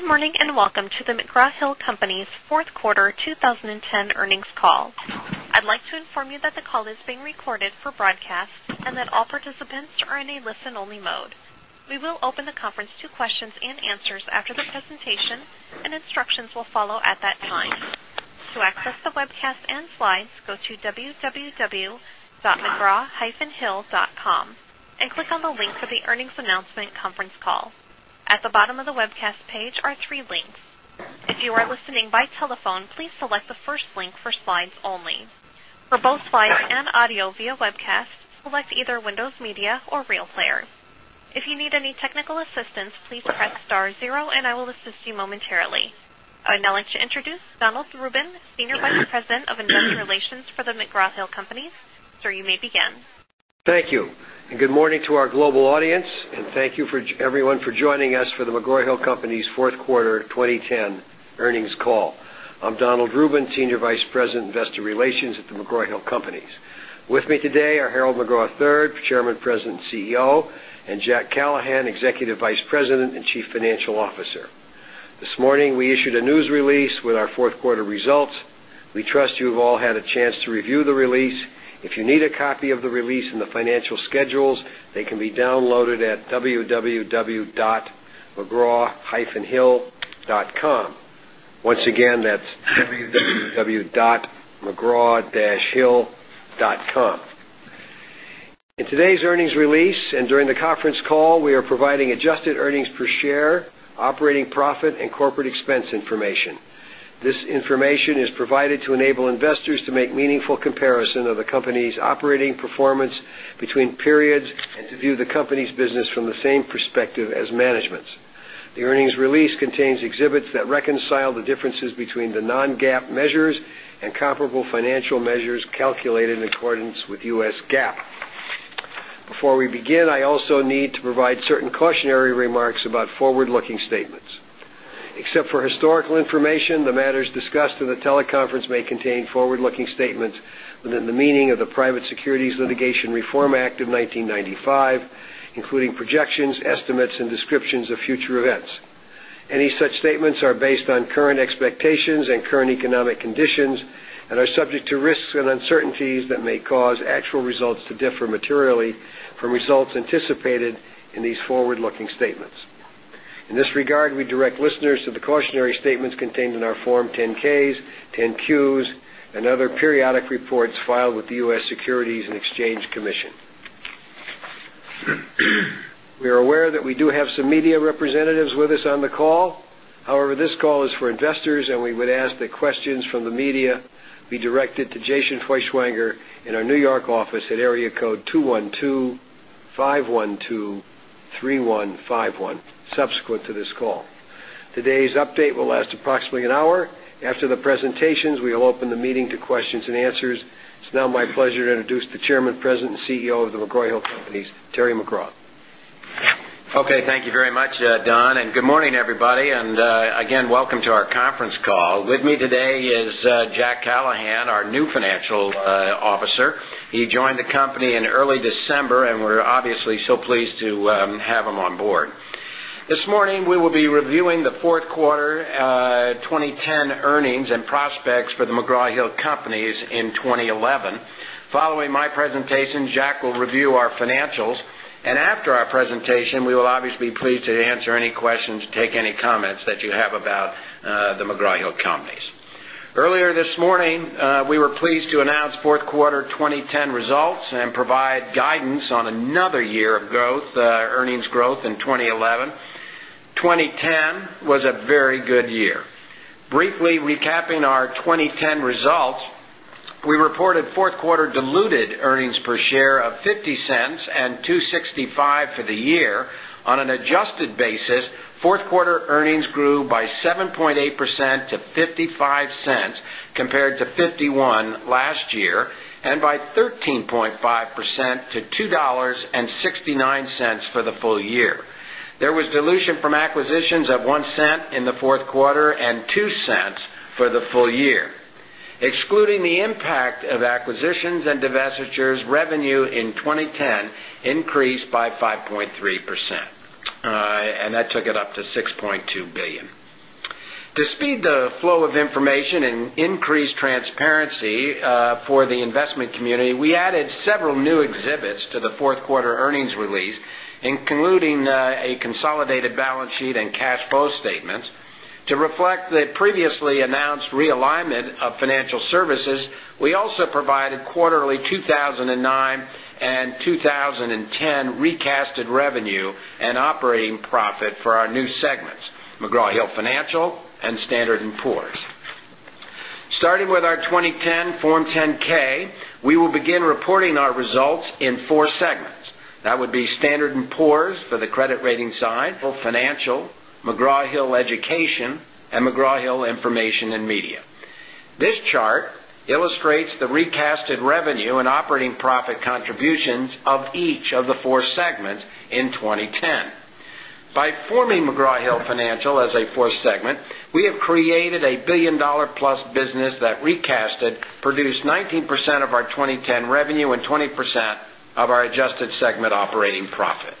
Good morning, and welcome to the McGraw Hill Company's 4th Quarter 2010 Earnings Call. I'd like to inform you that the call is being recorded for broadcast and that all participants are in a listen only mode. We will open the conference to questions and answers after presentation and instructions will follow at that time. To access the webcast and slides, go to www dotmcgrawhill.com and click on the link to the earnings announcement conference call. At the bottom of the webcast page are 3 links. If you are listening by telephone, please select the first link for slides only. For both slides and audio via webcast, select either Windows Media or Real I would now like to introduce Donald Rubin, Senior Vice President of Investor Relations for The McGraw Hill Company. Sir, you may begin. Thank you, and good morning to our global audience, and Thank you, everyone, for joining us for The McGraw Hill Company's 4th quarter 2010 earnings call. I'm Donald Rubin, Senior Vice President, With me today are Harold McGraw, Chairman, President and CEO and Jack Callahan, Executive Vice President and Chief Financial This morning, we issued a news release with our 4th quarter results. We trust you've all had a chance to review the release. If you need a copy of the release and the financial www.mcraw hill.com. In today's earnings release and during the conference call, we are providing adjusted earnings Share, operating profit and corporate expense information. This information is provided to enable investors to make meaningful comparison of the company's operating performance between periods and to view the company's business from the same perspective as management's. The earnings release contains exhibits that Reconcile the differences between the non GAAP measures and comparable financial measures calculated in accordance with U. S. GAAP. Before we Begin, I also need to provide certain cautionary remarks about forward looking statements. Except for historical information, the matters discussed in the teleconference may Certainties that may cause actual results to differ materially from results anticipated in these forward looking statements. In this regard, we direct listeners to The cautionary statements contained in our Form 10ks, 10 Qs and other periodic reports filed with the U. S. Securities and Exchange We are aware that we do have some media representatives with us on the call. However, this call is for investors and we would ask The first question comes from the media. We directed to Jason Feuchtwanger in our New York office at area code 21251 It's now my pleasure to introduce the Chairman, President and CEO of The McGraw Hill Companies, Terry McGraw. Okay. Thank you He joined the company in early December, and we're obviously so pleased to have him on board. This morning, we will be reviewing the 4th quarter 2010 earnings and prospects for the McGraw Hill Companies in 2011. Following my presentation, Jack will review our financials. And after our presentation, we will obviously be pleased to answer any questions, take any Comments that you have about the McGraw Hill Companies. Earlier this morning, we were pleased to announce Q4 2010 results and provide guidance Wrapping our 2010 results, we reported 4th quarter diluted earnings per share of $0.50 $2.65 for the year. On an basis, 4th quarter earnings grew by 7.8 percent to $0.55 compared to $0.51 last $0.02 for the full year. Excluding the impact of acquisitions and divestitures, revenue in 20 10 increased by 5.3 percent and that took it up to $6,200,000,000 To speed the flow of information and increase Transparency for the investment community, we added several new exhibits to the 4th quarter earnings release, including Consolidated balance sheet and cash flow statements to reflect the previously announced realignment of financial services, we also provided quarterly 2 This chart Illustrates the recasted revenue and operating profit contributions of each of the 4 segments in 2010. By forming McGraw Hill Financial as a 4th segment, we have created a $1,000,000,000 plus business that re produced 19% of our 2010 revenue and 20% of our adjusted segment operating profit.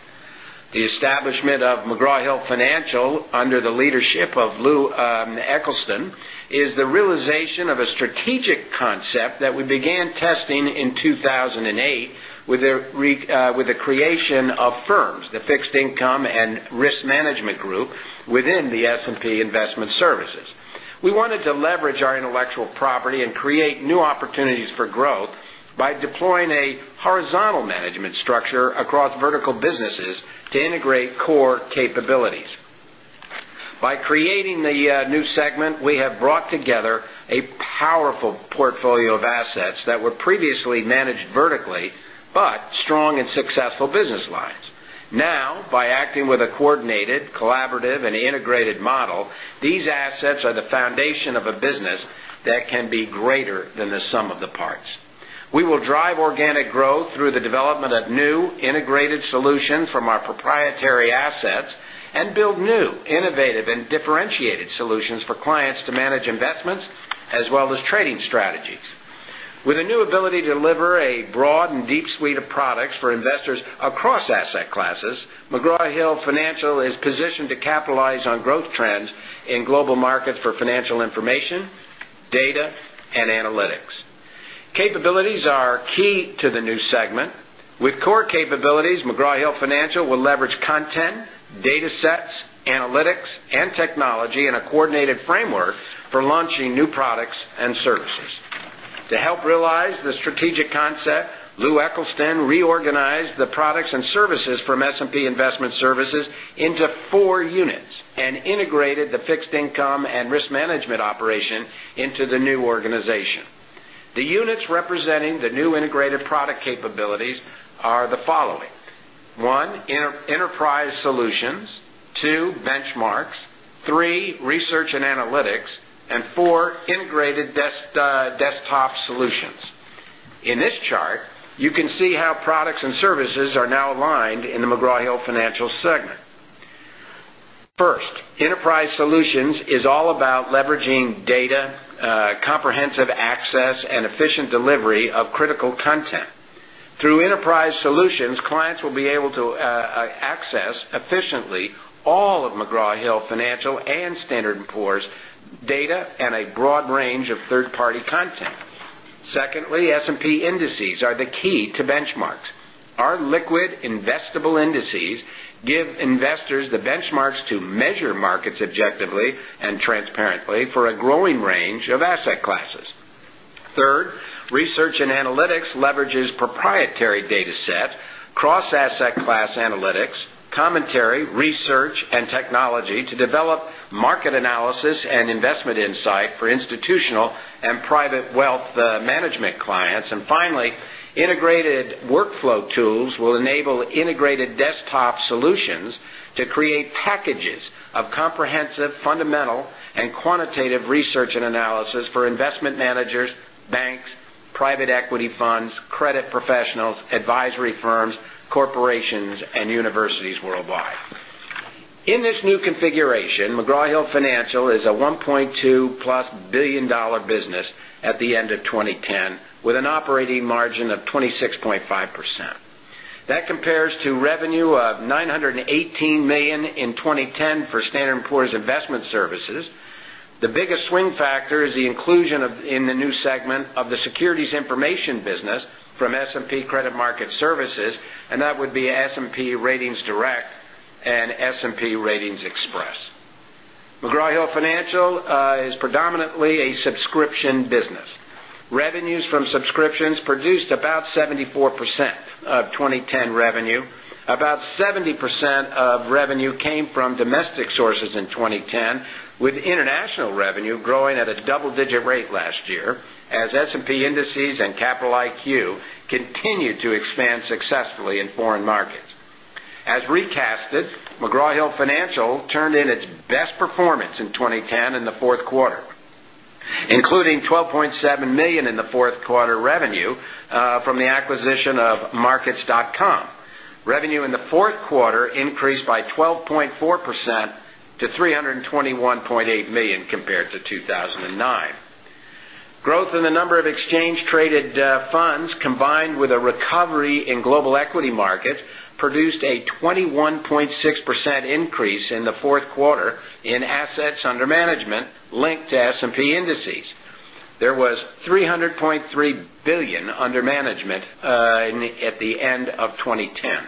The establishment of McGraw Hill Financial, under the leadership of Lou Eccleston, is the realization of a strategic concept that we began testing in 2 structure across vertical businesses to integrate core capabilities. By creating the new segment, we have brought together A powerful portfolio of assets that were previously managed vertically, but strong and successful business With a new ability to deliver a broad and deep suite of products for investors across asset classes, McGraw Hill Financial is positioned to With core capabilities, McGraw Hill Financial will leverage content, datasets, analytics and technology in a coordinated framework for launching new products and services. To help realize the strategic concept, Lew Eccleston reorganized the products and services from S The units representing the new integrated product capabilities are the following: 1, enterprise In this chart, you can see how products and services are now aligned in the McGraw Hill Financial segment. 1st, Enterprise Solutions is all about leveraging data, comprehensive access and efficient delivery of critical content. Through enterprise solutions, clients will be able to access efficiently all of McGraw Hill Financial Objectively and transparently for a growing range of asset classes. 3rd, research and analytics leverages proprietary data Cross asset class analytics, commentary, research and technology to develop market analysis And investment insight for institutional and private wealth management clients. And finally, integrated workflow tools will enable integrated desktop solutions to create packages of comprehensive fundamental and quantitative research and analysis for investment figuration, McGraw Hill Financial is a $1,200,000,000 plus business at the end of 2010 with an operating is predominantly a subscription business. Revenues from subscriptions produced about 74 percent of 20.10 revenue, about 70% of revenue came from domestic sources in 2010 with international revenue In foreign markets, as recasted, McGraw Hill Financial turned in its best performance in 2010 There was $300,300,000,000 under management at the end of 2010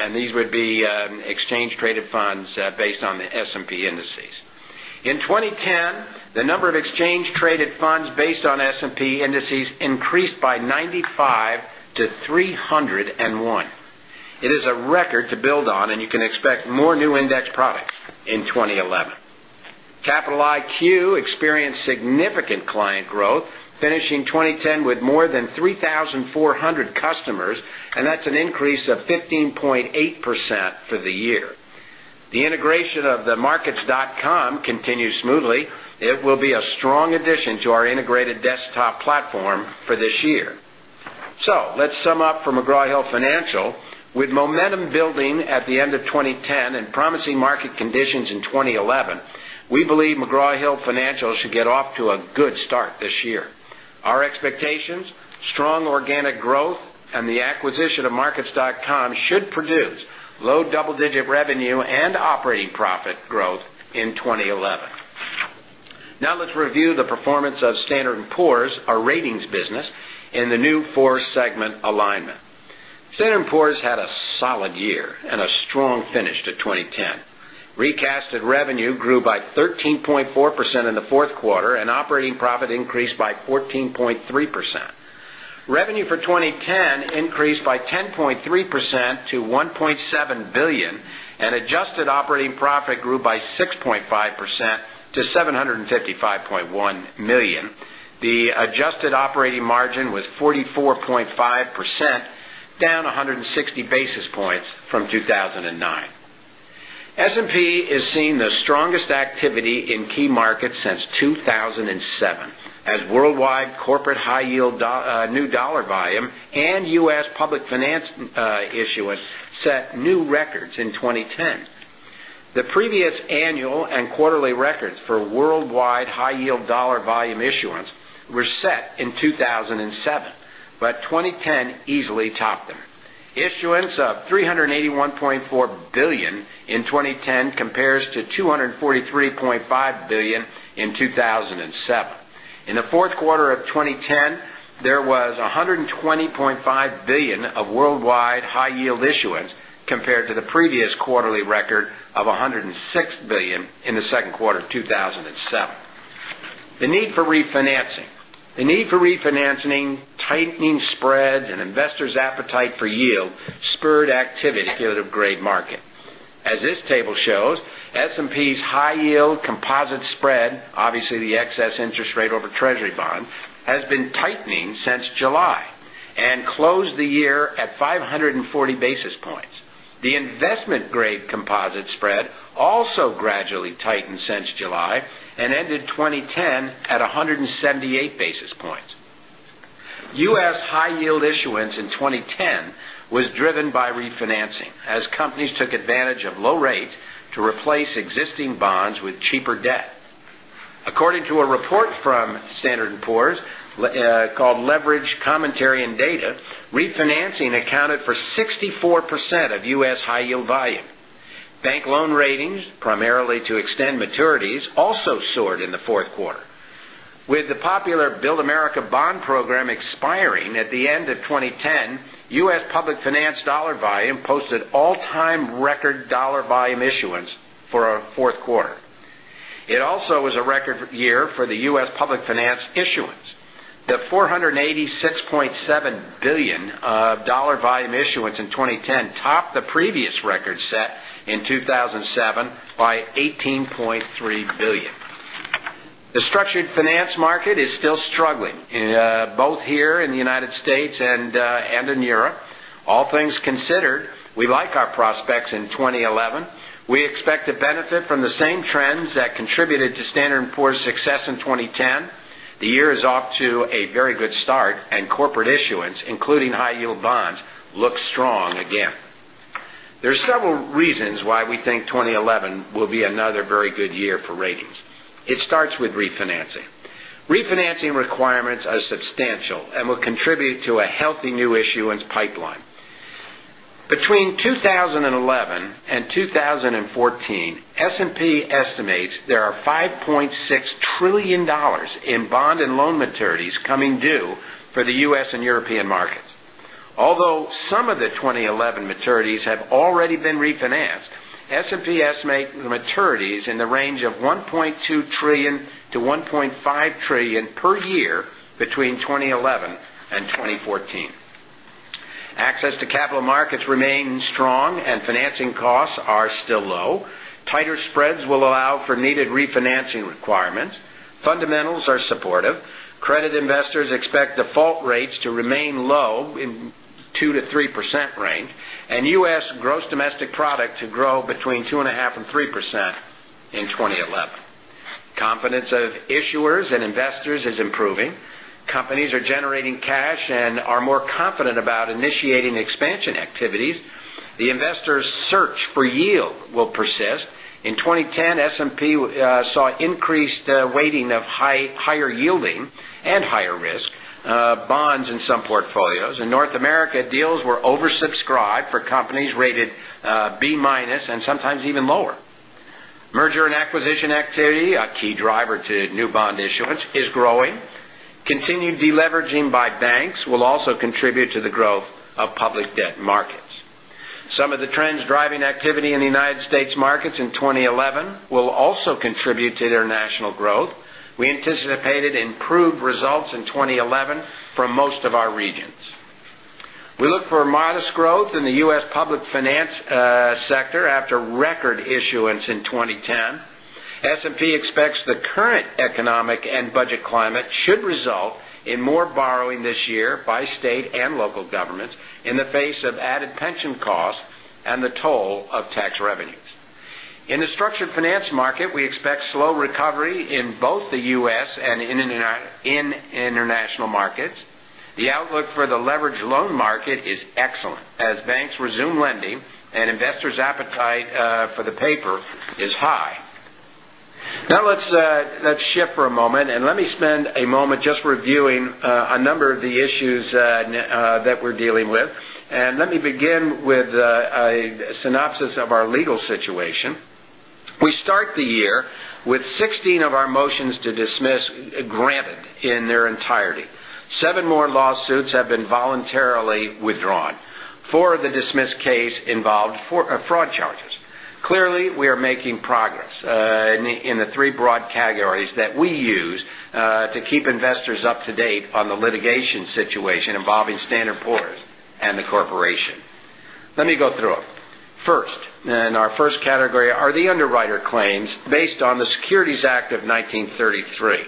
and these would be And exchange traded funds based on the S and P indices. In 2010, the number of exchange traded funds based on S and P indices increased by 90 Capital IQ experienced significant client growth, finishing 2010 with more than 3,400 And that's an increase of 15.8 percent for the year. The integration of the markets.com continues smoothly. It will be a Strong addition to our integrated desktop platform for this year. So let's sum up for McGraw Hill Financial. With Building at the end of 2010 and promising market conditions in 2011, we believe McGraw Hill Financials should get off To a good start this year. Our expectations, strong organic growth and the acquisition of markets.com Should produce low double digit revenue and operating profit growth in 2011. Now let's review the performance of Standard and Poor's, Our ratings business and the new four segment alignment. Standard and Poor's had a solid year and a strong finish 2010 increased by 10.3 percent to $1,700,000,000 and adjusted operating profit grew by 6.5 percent to $755,100,000 The adjusted operating margin was 44.5 percent, down 100 60 basis points from 2,009. S and P is seeing the strongest activity in key markets since 2000 and 7, as worldwide corporate high yield new dollar volume and U. S. Public finance issuance Set new records in 2010. The previous annual and quarterly records for worldwide high yield dollar volume issuance were set in 2,007, but 2010 easily topped them. Issuance $381,400,000,000 in 2010 compares to $243,500,000,000 in 2,007. In the Q4 of 2010, there was $120,500,000,000 of worldwide high yield issuance compared to the previous Quarterly record of $106,000,000,000 in the Q2 of 2,007. The need for refinancing, tightening Spreads and investors' appetite for yield spurred activity in a great market. As this table shows, S and P's high yield composite Spread, obviously the excess interest rate over treasury bonds, has been tightening since July and closed the year at 5.40 The investment grade composite spread also gradually tightened since July and ended 2010 at 178 U. S. High yield issuance in 2010 was driven by refinancing as companies took advantage of low rates to replace Existing bonds with cheaper debt. According to a report from Standard and Poor's called Leverage Commentary and Data, Accounting accounted for 64% of U. S. High yield volume. Bank loan ratings primarily to extend maturities Also soared in the 4th quarter. With the popular Build America bond program expiring at the end of 2010, U. S. Public finance dollar volume posted all time record dollar volume issuance for our 4th quarter. It also was a record year For the U. S. Public finance issuance, the $486,700,000,000 of dollar volume issuance in 2010 topped the previous In 2,007 by $18,300,000,000 The structured finance market is still struggling Both here in the United States and in Europe, all things considered, we like our prospects in 2011. We expect It starts with refinancing. Refinancing requirements are substantial and will contribute to a healthy new issuance Between 20112014, S and P estimates there are 5 point $6,000,000,000,000 in bond and loan maturities coming due for the U. S. And European markets. Although Some of the 2011 maturities have already been refinanced. S and P estimates maturities in the range of 1.2 1,000,000,000,000 to 1,500,000,000,000 per year between 2011 2014. Access to capital markets remain Strong and financing costs are still low. Tighter spreads will allow for needed refinancing requirements. Fundamentals are supportive. Credit investors expect default rates to remain low in 2% to 3% range and Product to grow between 2.5% and 3% in 2011. Confidence of issuers and investors is improving. Companies are generating cash And S and P saw increased weighting of higher yielding and higher risk bonds in Some portfolios in North America deals were oversubscribed for companies rated B- and sometimes even lower. Merger and Some of the trends driving activity in the United States markets in 2011 will also contribute to We anticipated improved results in 2011 from most of our regions. We look for modest growth in the U. S. Public finance Sector after record issuance in 2010, S and P expects the current economic and budget climate should result This year by state and local governments in the face of added pension costs and the toll of tax revenues. In the structured finance market, we expect Slow recovery in both the U. S. And in international markets. The outlook for the leveraged loan market Excellent as banks resume lending and investors' appetite for the paper is high. Now let's shift for And let me spend a moment just reviewing a number of the issues that we're dealing with. And let me begin with In their entirety, 7 more lawsuits have been voluntarily withdrawn. 4 of the dismissed case involved Fraud charges. Clearly, we are making progress in the 3 broad categories that we use to keep investors up to date on the litigation situation involving Standard Poor's and the corporation. Let me go through them. 1st, in our first category are the underwriter claims based on the Securities Act of 1933.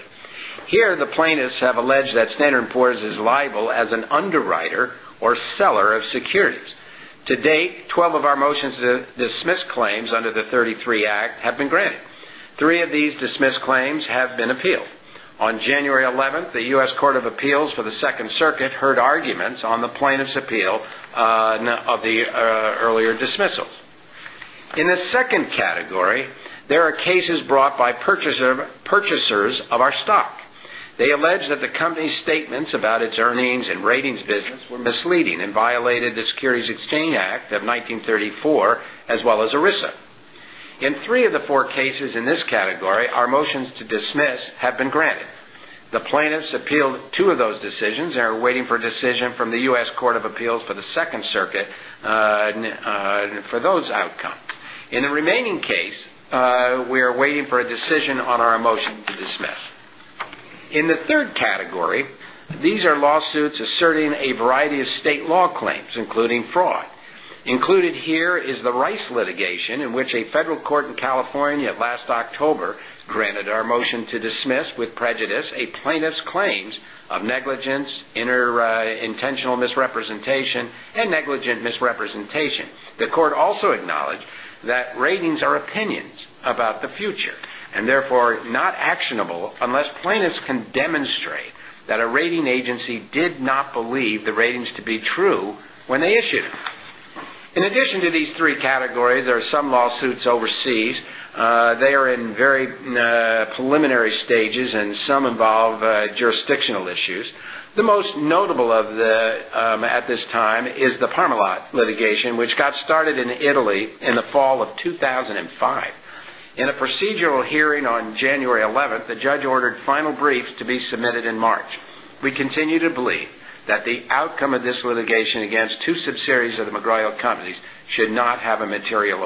Here, the plaintiffs have alleged that Standard and Poor's is liable as an underwriter or seller of securities. To date, 12 of our motions to dismiss claims under the 'thirty three Act have been granted. 3 of these dismissed claims Have been appealed. On January 11, the U. S. Court of Appeals for the 2nd Circuit heard arguments on the plaintiff's appeal of The earlier dismissals. In the second category, there are cases brought by purchasers of our They alleged that the company's statements about its earnings and ratings business were misleading and violated the Securities Exchange Act of 1934 as well as ERISA. In 3 of the 4 cases in this category, our motions to dismiss have been granted. The plaintiffs appealed 2 of those In the 3rd category, these are lawsuits asserting a variety of state law Claims including fraud. Included here is the Rice litigation in which a federal court in California last October granted our motion to dismiss with prejudice He did not believe the ratings to be true when they issued. In addition to these three categories, there are some lawsuits overseas. They are in very Preliminary stages and some involve jurisdictional issues. The most notable of the at this time is the Parmalot litigation, which Got started in Italy in the fall of 2,005. In a procedural hearing on January 11, the judge ordered Final briefs to be submitted in March. We continue to believe that the outcome of this litigation against 2 subseries of the McGraw Hill Companies should not have a material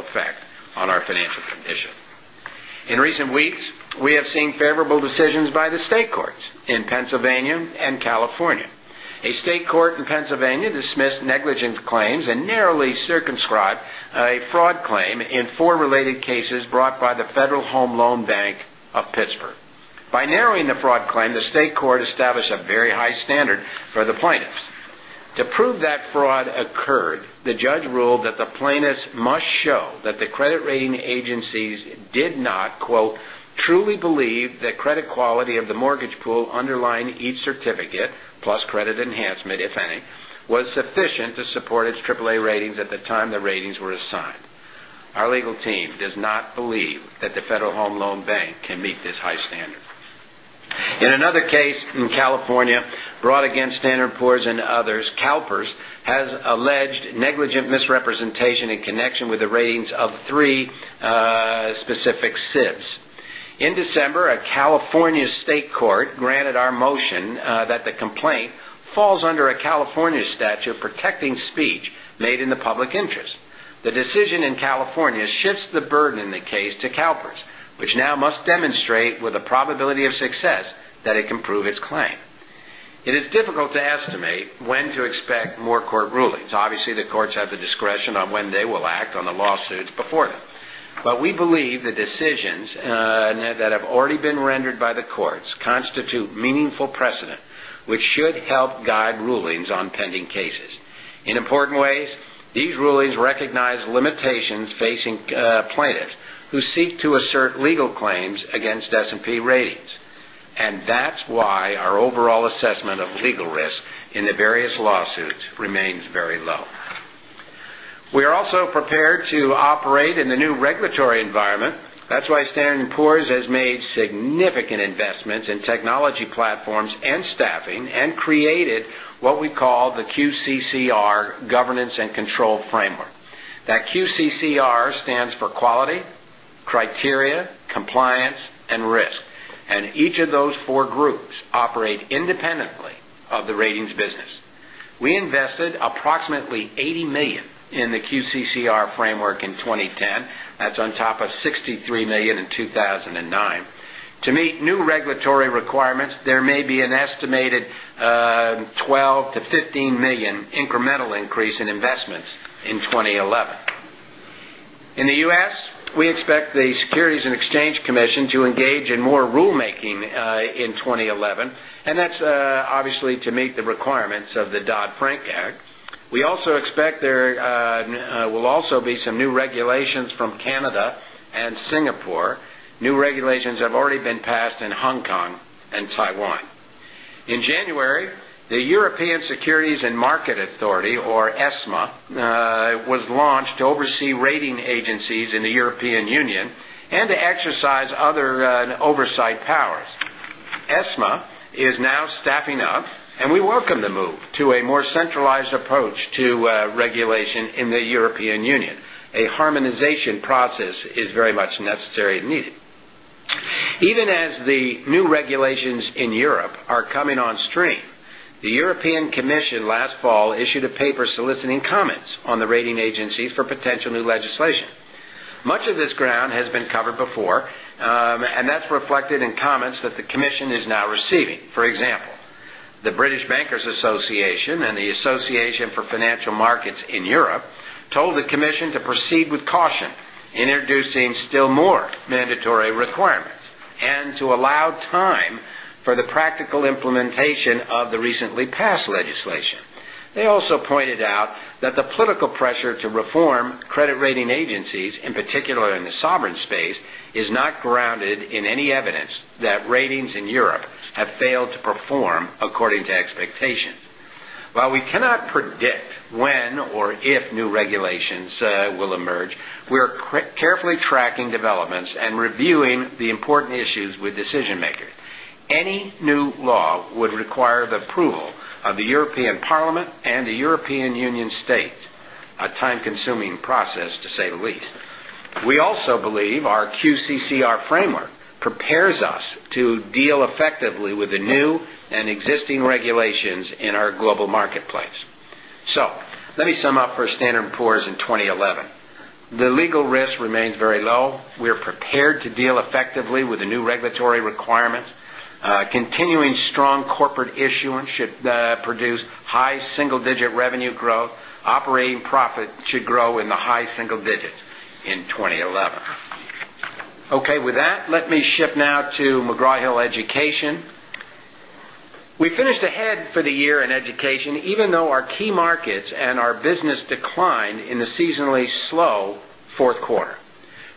In recent weeks, we have seen favorable decisions by the state courts in Pennsylvania And California, a state court in Pennsylvania dismissed negligent claims and narrowly circumscribed a fraud claim In 4 related cases brought by the Federal Home Loan Bank of Pittsburgh. By narrowing the fraud claim, the state court established a very high standard for the plaintiffs. To prove that fraud occurred, the judge ruled that the plaintiffs must show that the credit rating agencies misrepresentation in connection with the ratings of 3 specific SIBs. In December, a California state court granted our motion That the complaint falls under a California statute protecting speech made in the public interest. The decision in California Shifts the burden in the case to CalPERS, which now must demonstrate with a probability of success that it can prove its claim. It is difficult to estimate When to expect more court rulings? Obviously, the courts have the discretion on when they will act on the lawsuits before them. But we believe that have already been rendered by the courts constitute meaningful precedent, which should help guide rulings on pending cases. In important ways, These rulings recognize limitations facing plaintiffs who seek to assert legal claims against S We are also prepared to operate in the new regulatory environment. That's why Standard and Poor's has made significant investments in technology Quality, criteria, compliance and risk, and each of those 4 groups operate independently of the ratings business. We To meet new regulatory requirements, there may be an estimated $12,000,000 to $15,000,000 incremental In the U. S, we expect the Securities and Exchange Commission to engage in more rulemaking In 2011, and that's obviously to meet the requirements of the Dodd Frank Act. We also expect there will also be some new regulations from Canada and Singapore, new regulations have already been passed in Hong Kong and Taiwan. In January, the European Securities and Market Authority or ESMA was launched to oversee rating agencies in the European Union and to exercise other oversight powers. ESMA is now staffing up and we welcome the move to a more centralized approach to regulation in the European A harmonization process is very much necessary and needed. Even as the new regulations in Europe are coming on The European Commission last fall issued a paper soliciting comments on the rating agencies for potential new legislation. Much of this ground has been covered And that's reflected in comments that the commission is now receiving. For example, the British Bankers Association and the Association For Financial Markets In Europe, told the commission to proceed with caution in introducing still more mandatory requirements and to allow We are carefully tracking developments and reviewing the important issues with decision making. Any new law would require the approval The European Parliament and the European Union State, a time consuming process to say the least. We also believe our QCCR So let me sum up for Standard and Poor's in 2011. The legal risk remains very low. We are prepared to deal effectively with the new regulatory Continuing strong corporate issuance should produce high single digit revenue growth. Operating profit should grow in the high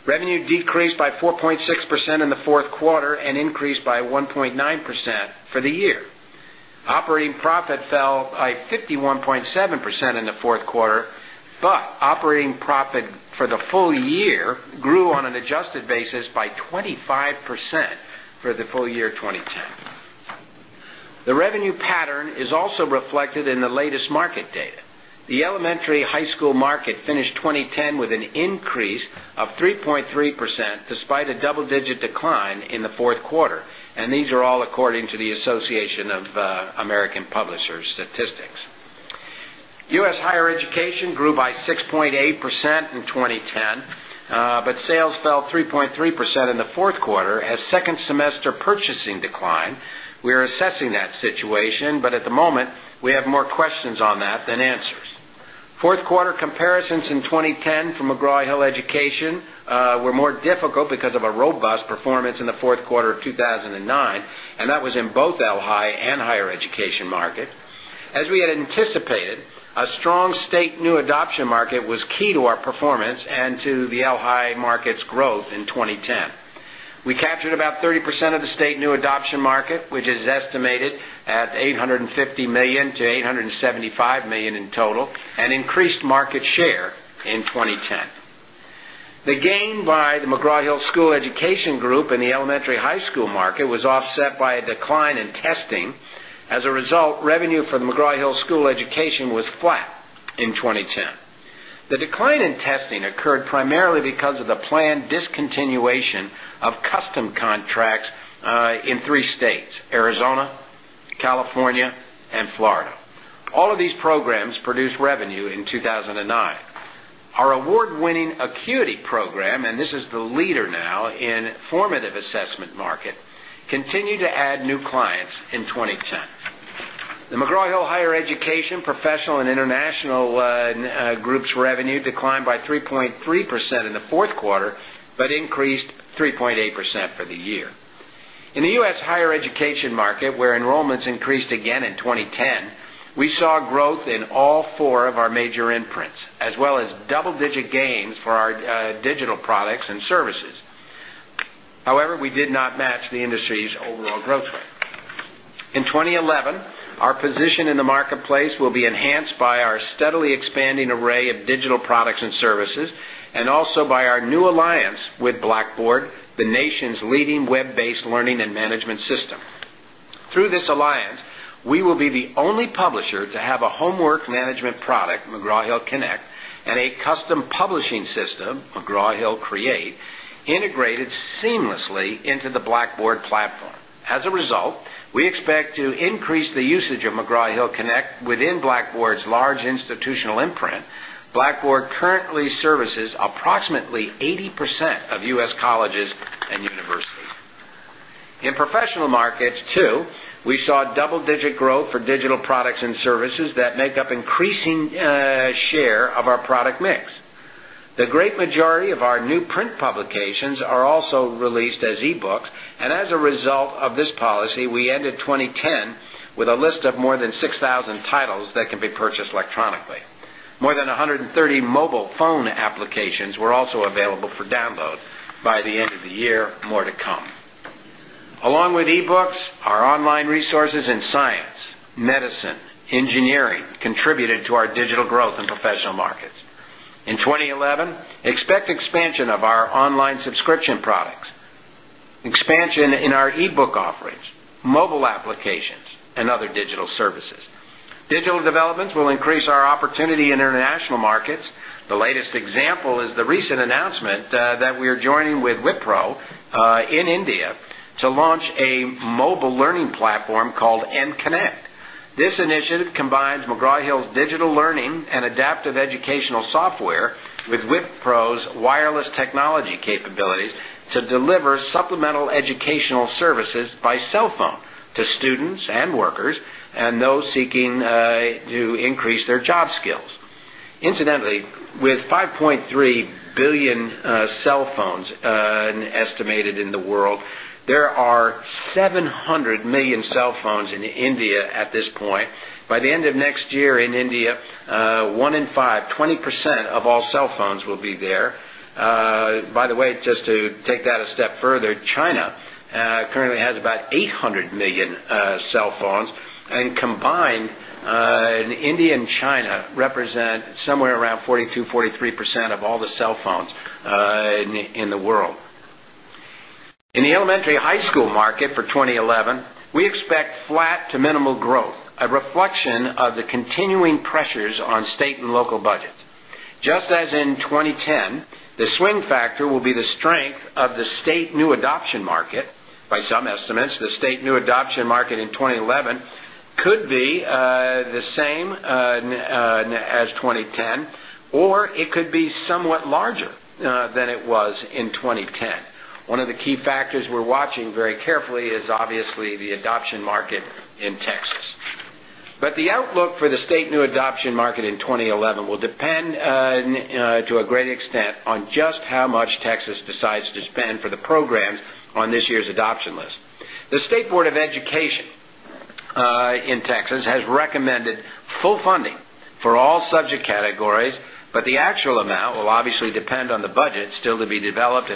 For the full year 2010. The revenue pattern is also reflected in the latest market data. The elementary high school market Finished 2010 with an increase of 3.3% despite a double digit decline in the 4th quarter and these are all according to the Association But sales fell 3.3% in the 4th quarter as 2nd semester purchasing declined. We are assessing that situation, But at the moment, we have more questions on that than answers. 4th quarter comparisons in 2010 for McGraw Hill Education were more difficult because of performance in the Q4 of 2009 and that was in both L HI and higher education market. As we had anticipated, a strong state New adoption market was key to our performance and to the El Hai market's growth in 2010. We captured about 30% of the state new adoption market, which is estimated at $850,000,000 to $875,000,000 in total and increased market The gain by the McGraw Hill School Education Group in the elementary high school market was offset Graham, and this is the leader now in formative assessment market, continue to add new clients in 2010. The McGraw Hill Higher education, professional and international group's revenue declined by 3.3% in the 4th quarter, but increased 3.8 percent for the year. In the U. S. Higher education market where enrollments increased again in 2010, we saw growth In all four of our major imprints as well as double digit gains for our digital products and services. However, we did not match the industry's We will be the only publisher to have a homework management product, McGraw Hill Connect, and a custom publishing system, McGraw Hill Create, integrated For its large institutional imprint, Blackboard currently services approximately 80% of U. S. Colleges In professional markets too, we saw double digit growth for digital products and services that Make up increasing share of our product mix. The great majority of our new print publications are also released as ebooks and as a result Of this policy, we ended 2010 with a list of more than 6,000 titles that can be purchased electronically. More than 100 30 mobile phone applications were also available for download by the end of the year, more to come. Along with eBooks, our online Digital developments will increase our opportunity in international markets. The latest example is the recent announcement capabilities to deliver supplemental educational services by cell phone to students and workers and those seeking to increase their job skills. Incidentally, with 5,300,000,000 cell phones estimated in The world, there are 700,000,000 cell phones in India at this point. By the end of next year in India, 1 in 5, 20 10 of all cell phones will be there. By the way, just to take that a step further, China currently has about 800,000,000 cell phones And combined, India and China represent somewhere around 42%, 43% of all the In the elementary high school market for 2011, we expect flat to minimal growth, A reflection of the continuing pressures on state and local budget. Just as in 2010, the swing factor will be Strength of the state new adoption market by some estimates, the state new adoption market in 2011 could be the same As 2010 or it could be somewhat larger than it was in 2010. One of the key factors we're watching very is obviously the adoption market in Texas. But the outlook for the state new adoption market in 2011 will depend to a great In Texas, has recommended full funding for all subject categories, but the actual amount will obviously depend on the budget still to be developed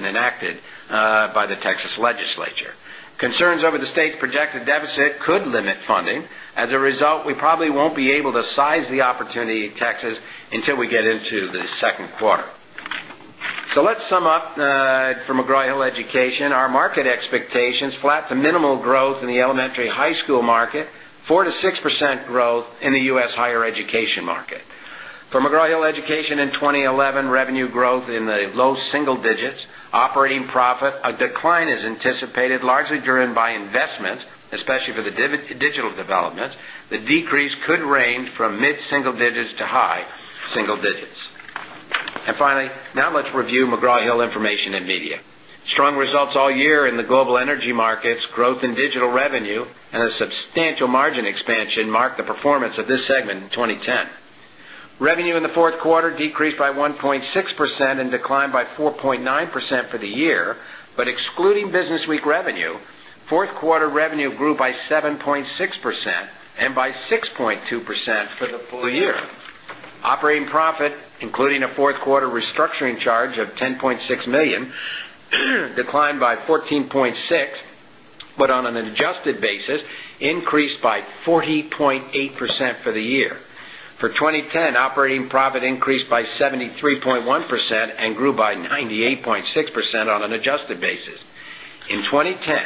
In 2011 revenue growth in the low single digits, operating profit, a decline is anticipated largely driven by Investments, especially for the digital development, the decrease could range from mid single digits to high single digits. And finally, Now let's review McGraw Hill Information and Media. Strong results all year in the global energy markets, growth in digital revenue and a substantial margin Expansion marked the performance of this segment in 2010. Revenue in the 4th quarter decreased by 1.6% and declined by 4.9% for the year, But excluding BusinessWeek revenue, 4th quarter revenue grew by 7.6% and by 6.2% for the full year. Operating profit, including a 4th quarter restructuring charge of $10,600,000 declined by 14.6 And grew by 98.6 percent on an adjusted basis. In 2010,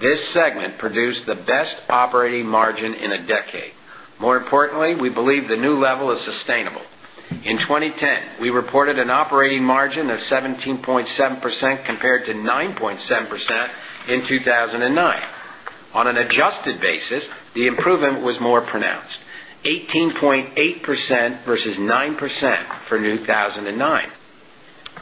this segment produced the best operating margin In a decade. More importantly, we believe the new level is sustainable. In 2010, we reported an operating margin of 17.7 announced 18.8% versus 9% for 2000 and 9.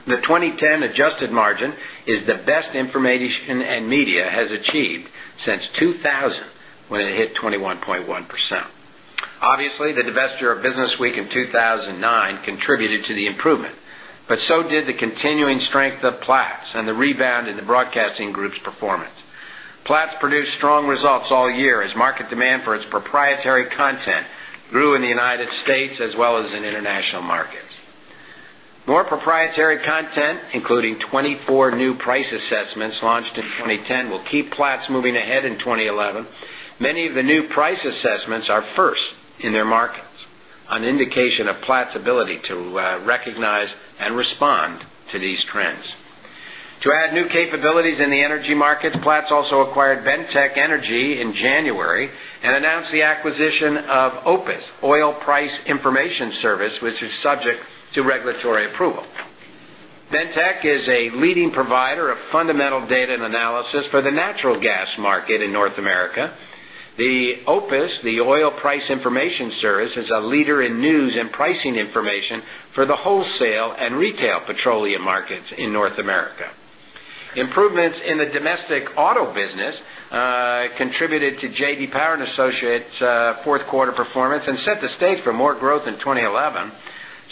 The 2010 adjusted margin is the best information And media has achieved since 2000 when it hit 21.1%. Obviously, the divestiture of BusinessWeek in 2009 contributed to the Improvement, but so did the continuing strength of Platts and the rebound in the Broadcasting Group's performance. Platts produced Strong results all year as market demand for its proprietary content grew in the United States as well as in international markets. More proprietary including 24 new price assessments launched in 2010 will keep Platts moving ahead in 2011. Many of the new price assessments are 1st in their markets, an indication of Platts' ability to recognize and respond to these trends. To add new In the energy markets, Platts also acquired Ventec Energy in January and announced the acquisition of OPUS, Oil Price Information Service, which is Subject to regulatory approval. Ventec is a leading provider of fundamental data and analysis for the natural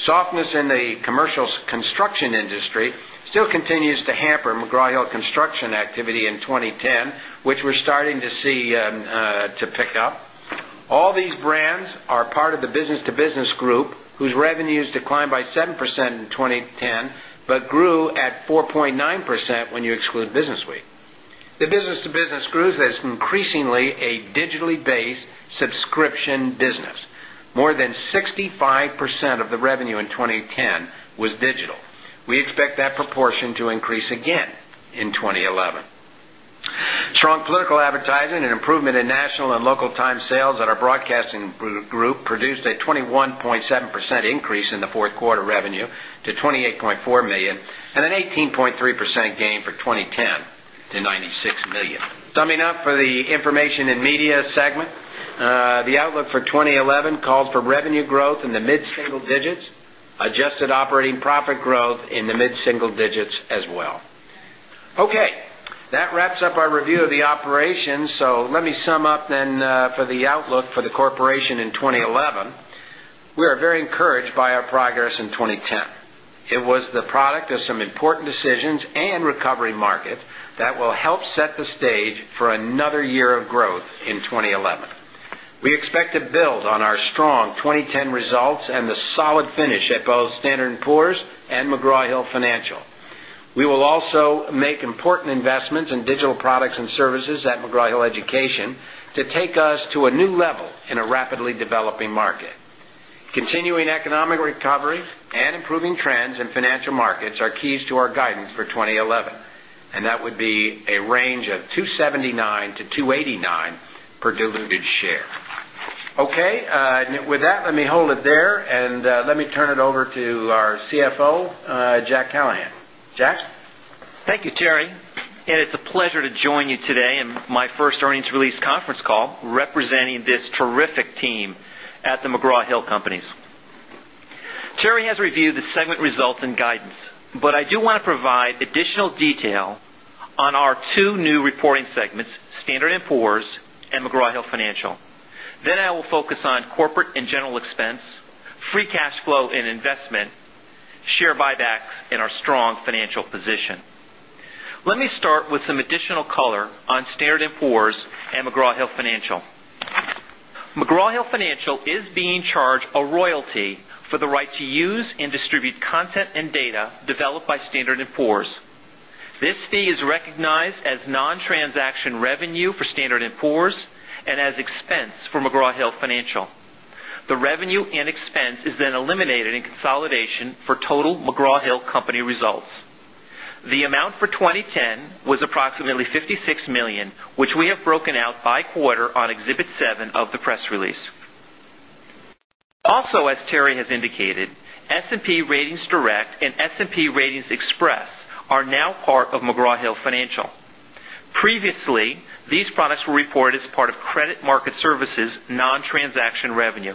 Softness in the commercial construction industry still continues to hamper McGraw Hill Construction activity 2010, which we're starting to see to pick up. All these brands are part of the business to business group whose revenues declined by 7 in 2010, but grew at 4.9% when you exclude BusinessWeek. The business to business grew as increasingly a Casting Group produced a 21.7 percent increase in the 4th quarter revenue to $28,400,000 and an 18.3% Game for $2010,000,000 to $96,000,000 Summing up for the Information and Media segment, the outlook for 2011 calls for revenue growth in the mid single digits, adjusted operating profit growth in the mid single digits as well. Okay, that wraps Our review of the operations, so let me sum up then for the outlook for the corporation in 2011. We are very encouraged by our Progress in 2010. It was the product of some important decisions and recovery market that will help set the stage for another year of growth in 2011. We expect to build on our strong 2010 results and the solid finish at both Standard and Poor's and McGraw Hill Financial. We will also make important investments in digital products and services at McGraw Hill Education to take us Okay. With that, let me hold it there and let me turn it over to our CFO, Jack Callahan. Jack? Thank you, Terry. And it's a pleasure to join you today in my first earnings release conference call representing This terrific team at the McGraw Hill Companies. Terry has reviewed the segment results and guidance, but I do want to provide additional detail On our 2 new reporting segments Standard and Poor's and McGraw Hill Financial. Then I will focus on Corporate and general expense, free cash flow and investment, share buybacks and our strong financial position. Let me start with some additional color As non transaction revenue for Standard and Poor's and as expense for McGraw Hill Financial. The revenue and expense is then eliminated For total McGraw Hill Company results, the amount for 2010 was approximately $56,000,000 which we have broken out by quarter on Exhibit 7 of the press release. Also as Terry has indicated, S and P Ratings Direct and S and P Ratings Express are now part of McGraw Hill Financial. Previously, these products were reported as part of Credit Market Services non transaction revenue.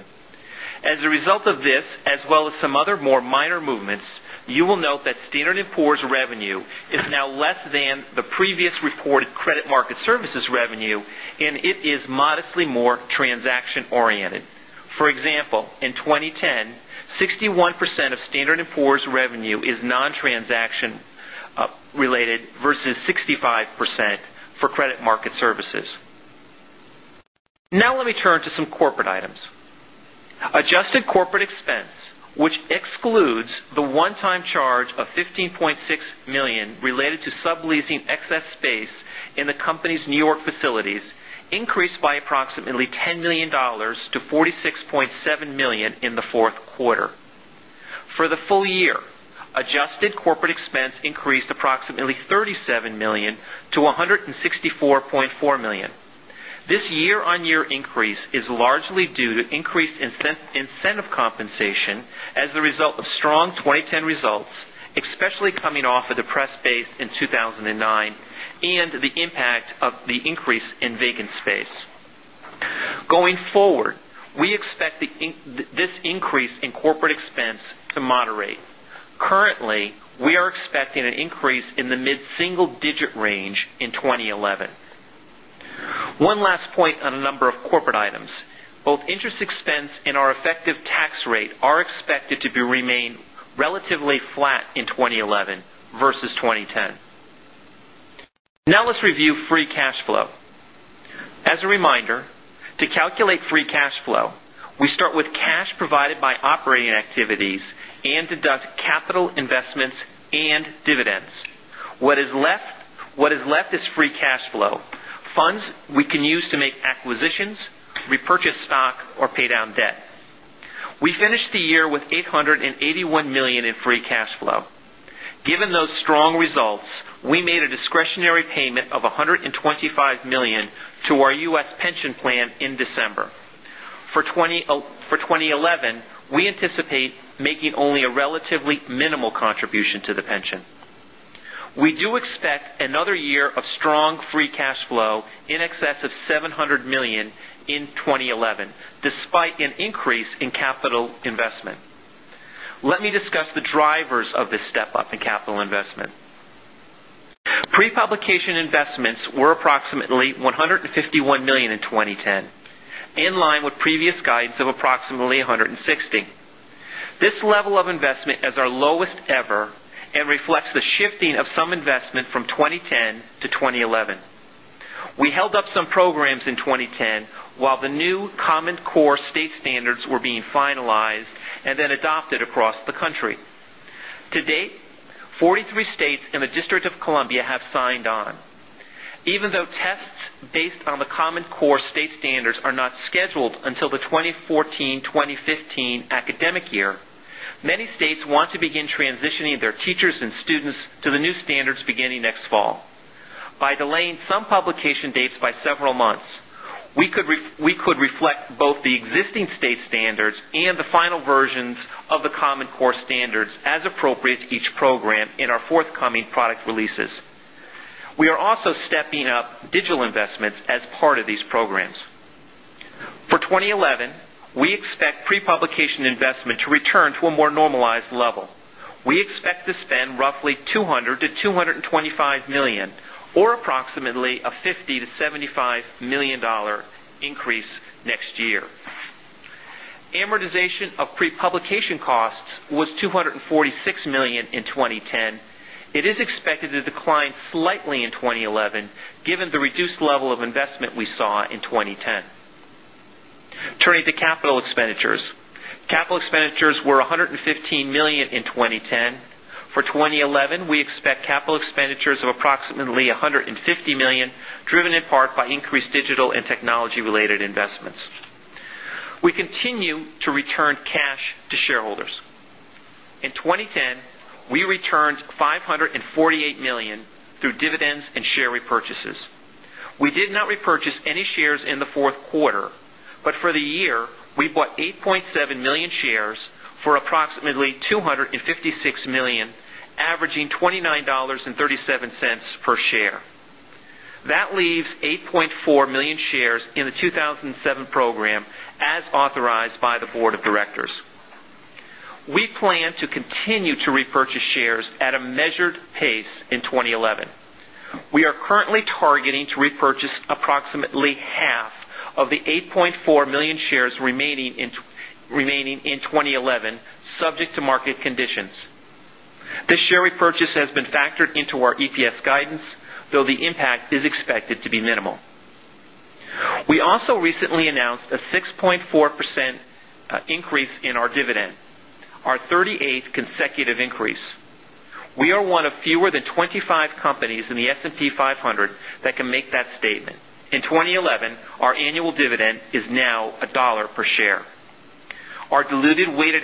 As a Result of this as well as some other more minor movements, you will note that Standard and Poor's revenue is now less than the previous reported credit market services Revenue and it is modestly more transaction oriented. For example, in 2010, 61 percent of Standard and Poor's revenue is non Transaction related versus 65% for credit market services. Now let me turn to some corporate items. Adjusted corporate expense, which excludes the one time charge A $15,600,000 related to subleasing excess space in the company's New York facilities increased by approximately $10,000,000 to 40 to $164,400,000 This year on year increase is largely due to increased incentive compensation as a result Strong 2010 results, especially coming off of depressed base in 2,009 and the impact of the increase in vacant space. Going forward, we expect this increase in corporate expense to moderate. Currently, we are Expecting an increase in the mid single digit range in 2011. One last point on a number of corporate items, both interest expense Now let's review free cash flow. As a reminder, to calculate free cash flow, we start with Cash provided by operating activities and deduct capital investments and dividends. What is left Given those strong results, we made a discretionary payment of $125,000,000 to our We do expect another year of strong free cash flow in excess of 700 $1,000,000 in $20.10 in line with previous guidance of approximately $160,000,000 This level of investment as our lowest 33 states in the District of Columbia have signed on. Even though tests based on the common core state standards are not scheduled Until the 2014, 2015 academic year, many states want to begin transitioning their teachers and students to the new standards beginning next fall. By delaying some publication dates by several months, we could reflect both the existing state standards and the final versions of the Also stepping up digital investments as part of these programs. For 2011, we expect pre publication investment to return to a more normalized level. We expect to spend roughly $200,000,000 to $225,000,000 or approximately a $50,000,000 to $75,000,000 $6,000,000 in 2010, it is expected to decline slightly in 2011 given the reduced level of investment we saw in 2010. Turning to capital expenditures. Capital expenditures were $115,000,000 in 20.10. For 2011, we Expect capital expenditures of approximately $150,000,000 driven in part by increased digital and technology related investments. We continue to return Cash to shareholders. In 2010, we returned $548,000,000 through dividends and share repurchases. We did not repurchase any shares in the averaging $29.37 per share. That leaves 8,400,000 Shares in the 2007 program as authorized by the Board of Directors. We plan to continue to repurchase Remaining in 2011 subject to market conditions. This share repurchase has been factored into our EPS guidance, though the impact is expected to be minimal. We also recently announced a 6.4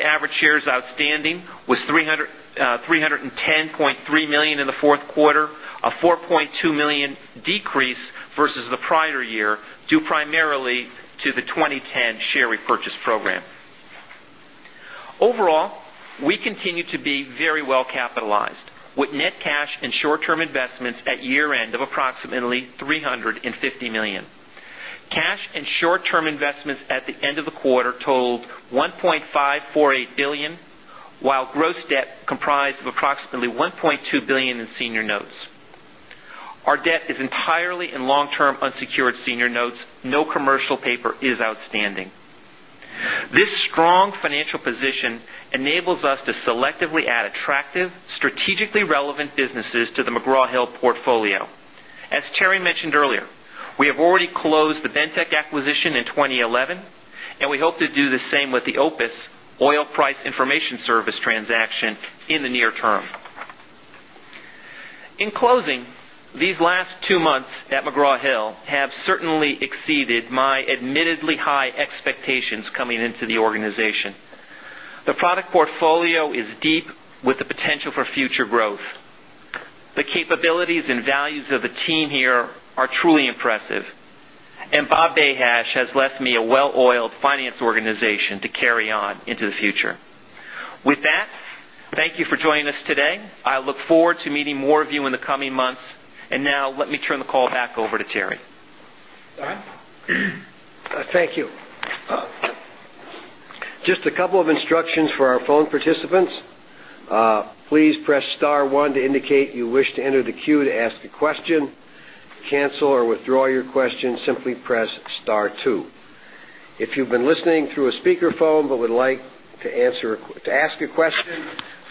Average shares outstanding was 310,300,000 in the 4th quarter, a 4,200,000 decrease versus the prior year due primarily to the 2010 share repurchase program. Overall, we continue to be Investments at the end of the quarter totaled $1,548,000,000 while gross debt comprised of approximately 1,200,000,000 As Terry mentioned earlier, we have already closed the Bentec acquisition in 2011 and we hope to do the same with the OPUS oil price information Have certainly exceeded my admittedly high expectations coming into the organization. The product portfolio is Deep with the potential for future growth. The capabilities and values of the team here are truly impressive. And Bob Behash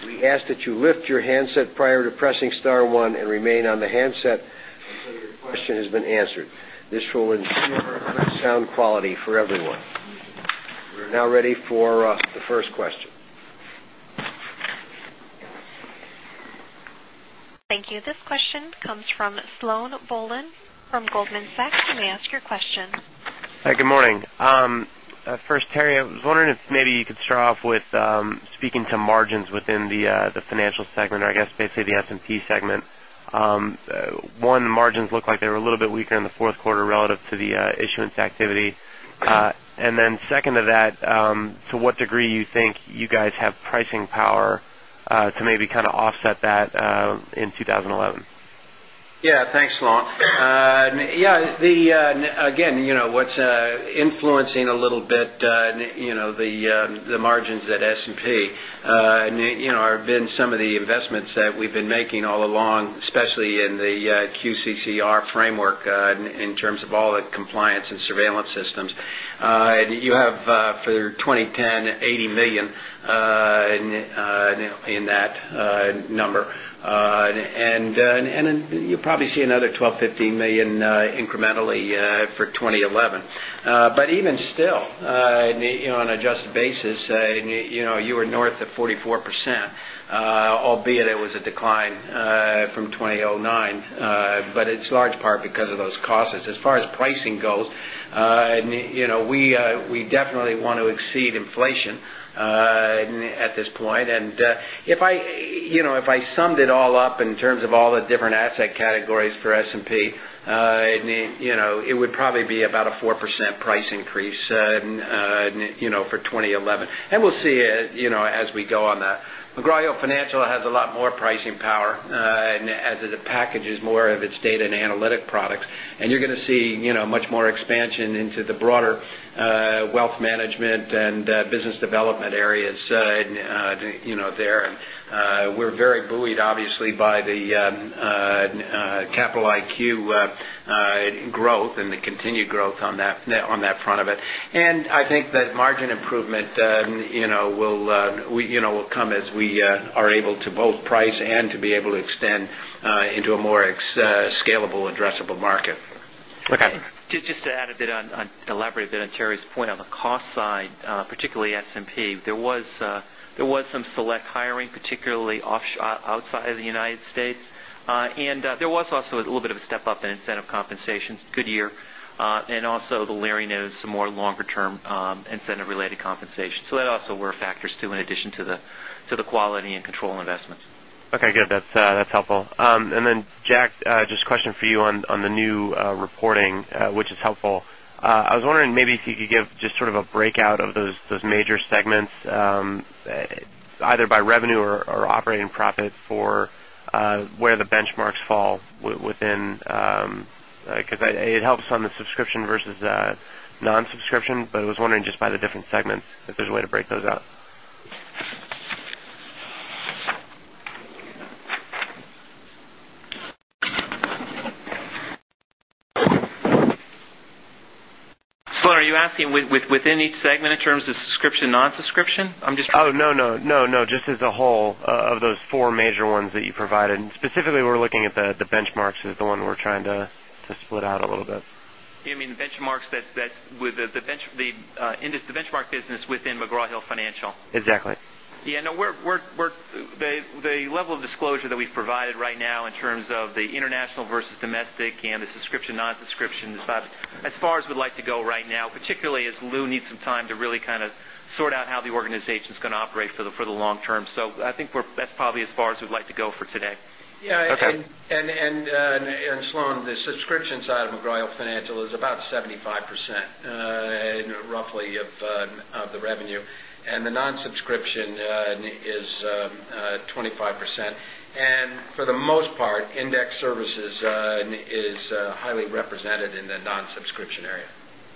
Thank you. This question comes from Sloane Bolen from Goldman Sachs. You may ask your question. Hi, good morning. First, Terry, I was wondering if maybe you could start off with speaking to margins within the Financial segment, I guess, basically the S and P One, margins look like they were a little bit weaker in the 4th quarter relative to the issuance activity. And then second to that, to what degree you think you guys have pricing power to maybe kind of offset that in 2011? Yes, thanks, Thanks, Laurent. Yes, the again, what's influencing a little bit the margins at S There have been some of the investments that we've been making all along, especially in the QCCR framework in In terms of all the compliance and surveillance systems, you have for $2,090,000,000 in that Number. And then you'll probably see another $12,000,000 $15,000,000 incrementally for 20 But even still, on an adjusted basis, you were north of 44%, albeit it was The decline from 2,009, but it's large part because of those costs. As far as pricing goes, we definitely want to Sead inflation at this point. And if I summed it all up in terms of all the different asset For S and P, it would probably be about a 4% price increase for 2011 and we'll see as McGraw Hill Financial has a lot more pricing power as it packages more of its data and analytic products. And you're going to see much more Expansion into the broader wealth management and business development areas there. We're very buoyed by the Capital IQ growth and the continued growth on that front of it. And I think that margin improvement will come as we are able to both price and to be able to extend into a more Scalable addressable market. Okay. Just to add a bit on elaborate a bit on Terry's point on the cost side, particularly S and P, there was Some select hiring, particularly outside of the United States. And there was also a little bit of a step up in incentive compensation, good year. And also the Larry Some more longer term incentive related compensation. So that also were factors too in addition to the quality and control investments. Okay, Good. That's helpful. And then Jack, just a question for you on the new reporting, which is helpful. I was wondering maybe if you could give Just sort of a breakout of those major segments, either by revenue or operating profit for Where the benchmarks fall within, because it helps on the subscription versus non subscription, I was wondering just by the different segments, if there's a way to break those out? So are you asking within each segment in terms of subscription, non Description? I'm just No, no, no, no. Just as a whole of those 4 major ones that you provided. And specifically, we're looking at the benchmarks is the one we're trying to split out a little bit. You mean benchmarks that with the benchmark business within McGraw Hill Financial? Exactly. The level of disclosure that we've provided right now in terms of the international versus domestic and the subscription, non subscription, as far as we'd like to go Right now, particularly as Lou needs some time to really kind of sort out how the organization is going to operate for the long term. So, I think that's probably as far as we'd like to go for today. Yes. And Sloane, the subscription side of McGraw Hill Financial is about 75% roughly of the revenue and the non Subscription is 25%. And for the most part, index services is highly Represented in the non subscription area.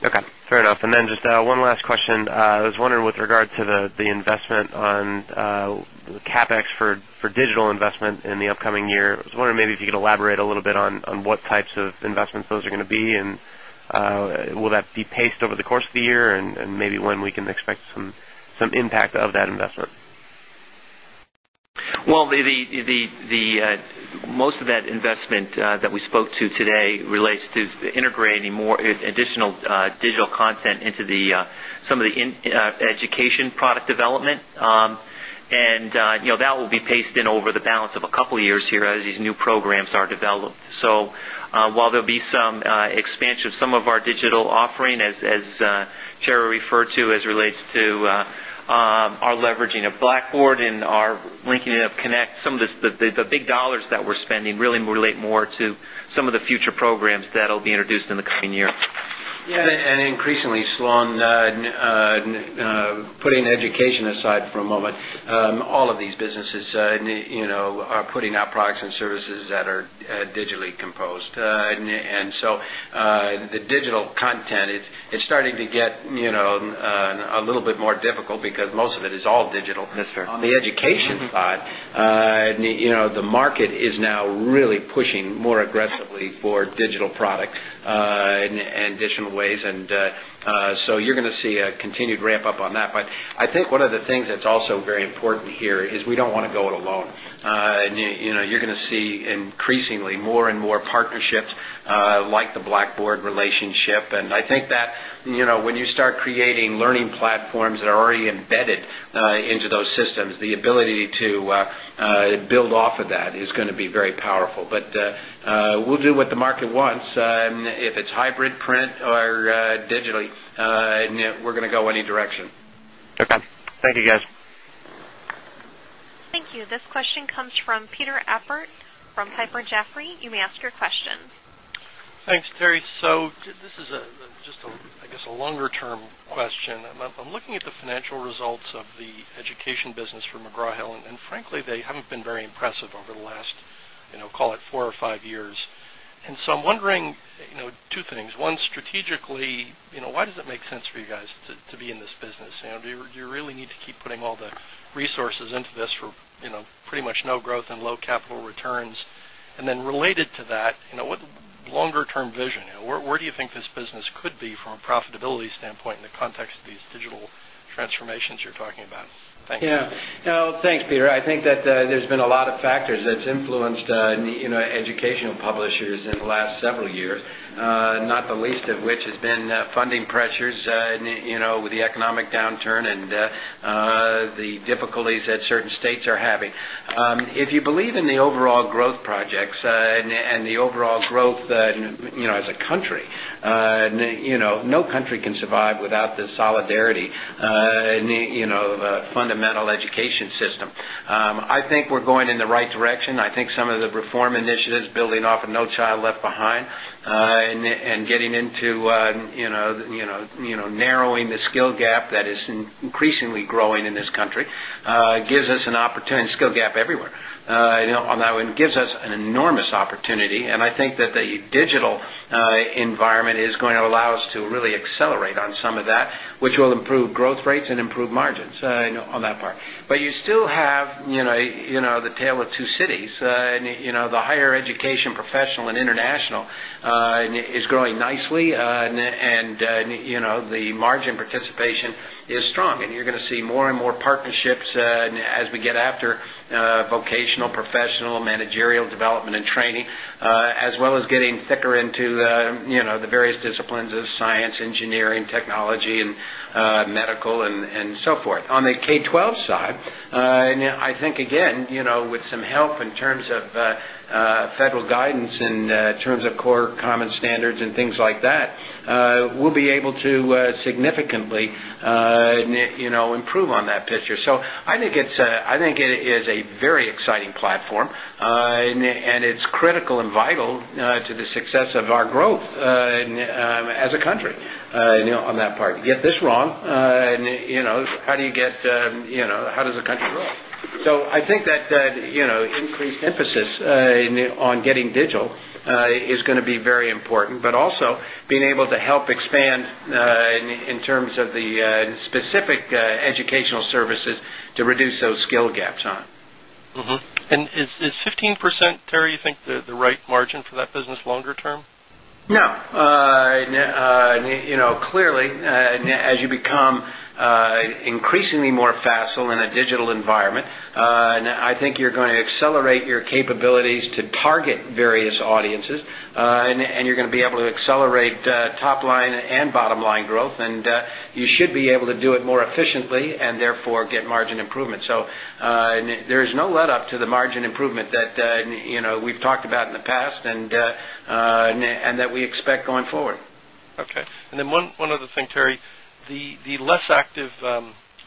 Okay, fair enough. And then just one last question. I was wondering with regard to the investment on CapEx for For digital investment in the upcoming year, I was wondering maybe if you could elaborate a little bit on what types of investments those are going to be and will that The pace over the course of the year and maybe when we can expect some impact of that investment? Well, the most of that Investment that we spoke to today relates to integrating more additional digital content into the some of the education Development and that will be paced in over the balance of a couple of years here as these new programs are developed. So while there'll be Expansion of some of our digital offering as Tara referred to as relates to our leverage Blackboard and our linking it up Connect, some of the big dollars that we're spending really relate more to some of the future programs that will be introduced in the coming Yes. And increasingly, Sloan, putting education aside for a moment, all of these businesses are Putting out products and services that are digitally composed. And so the digital content, it's starting to get A little bit more difficult because most of it is all digital. On the education side, the market is now really pushing more aggressively for digital products in additional ways. And so you're going to see a continued ramp up on that. But I think one of the things that's also very important here is We don't want to go it alone. You're going to see increasingly more and more partnerships like the Blackboard relationship. And I think that when you start creating learning platforms that are already embedded into those systems, the ability to build That is going to be very powerful, but we'll do what the market wants. And if it's hybrid print or digitally, we're going to go Direction. Okay. Thank you, guys. Thank you. This question comes from Peter Appert from Piper Jaffray. You may ask your question. Thanks, Terry. So this is just, I guess, a longer term question. I'm looking at the financial results of The education business for McGraw Hill and frankly they haven't been very impressive over the last call it 4 or 5 years. And so I'm wondering Two things. 1, strategically, why does it make sense for you guys to be in this business? Do you really need to keep putting all the resources into this for Pretty much no growth in low capital returns. And then related to that, with longer term vision, where do you think this business could be from a profitability standpoint in Thanks, Peter. I think that there's been a lot of factors that's influenced educational publishers Last several years, not the least of which has been funding pressures with the economic downturn and the difficulties that Certain states are having. If you believe in the overall growth projects and the overall growth as a country, no country Can survive without the solidarity in the fundamental education system. I think we're going in the right direction. I think some of the Form initiatives building off of No Child Left Behind and getting into narrowing the skill gap that Increasingly growing in this country, gives us an opportunity skill gap everywhere. And that one gives us an enormous opportunity. And I think that the digital Environment is going to allow us to really accelerate on some of that, which will improve growth rates and improve margins on that part. But you still have The tale of 2 cities, the higher education professional and international is growing nicely and The margin participation is strong and you're going to see more and more partnerships as we get after vocational, professional, managerial development and As well as getting thicker into the various disciplines of science, engineering, technology And so forth. On the K-twelve side, I think, again, with some help in terms of Federal guidance in terms of core common standards and things like that, we'll be able to significantly improve on that picture. So I think it's a I think it is a very exciting platform, and it's critical and vital to the success of our growth As a country, on that part, you get this wrong, how do you get how does the country So I think that increased emphasis on getting digital is going to be very important, but also Being able to help expand in terms of the specific educational services to reduce those Scale gap, John. And is 15%, Terry, you think the right margin for that business longer term? Clearly, as you become increasingly more facile in a digital environment, I I think you're going to accelerate your capabilities to target various audiences, and you're going to be able to accelerate top line and bottom line growth, and You should be able to do it more efficiently and therefore get margin improvement. So there is no let up to the margin improvement that we've talked about in the And that we expect going forward. Okay. And then one other thing, Terry, the less active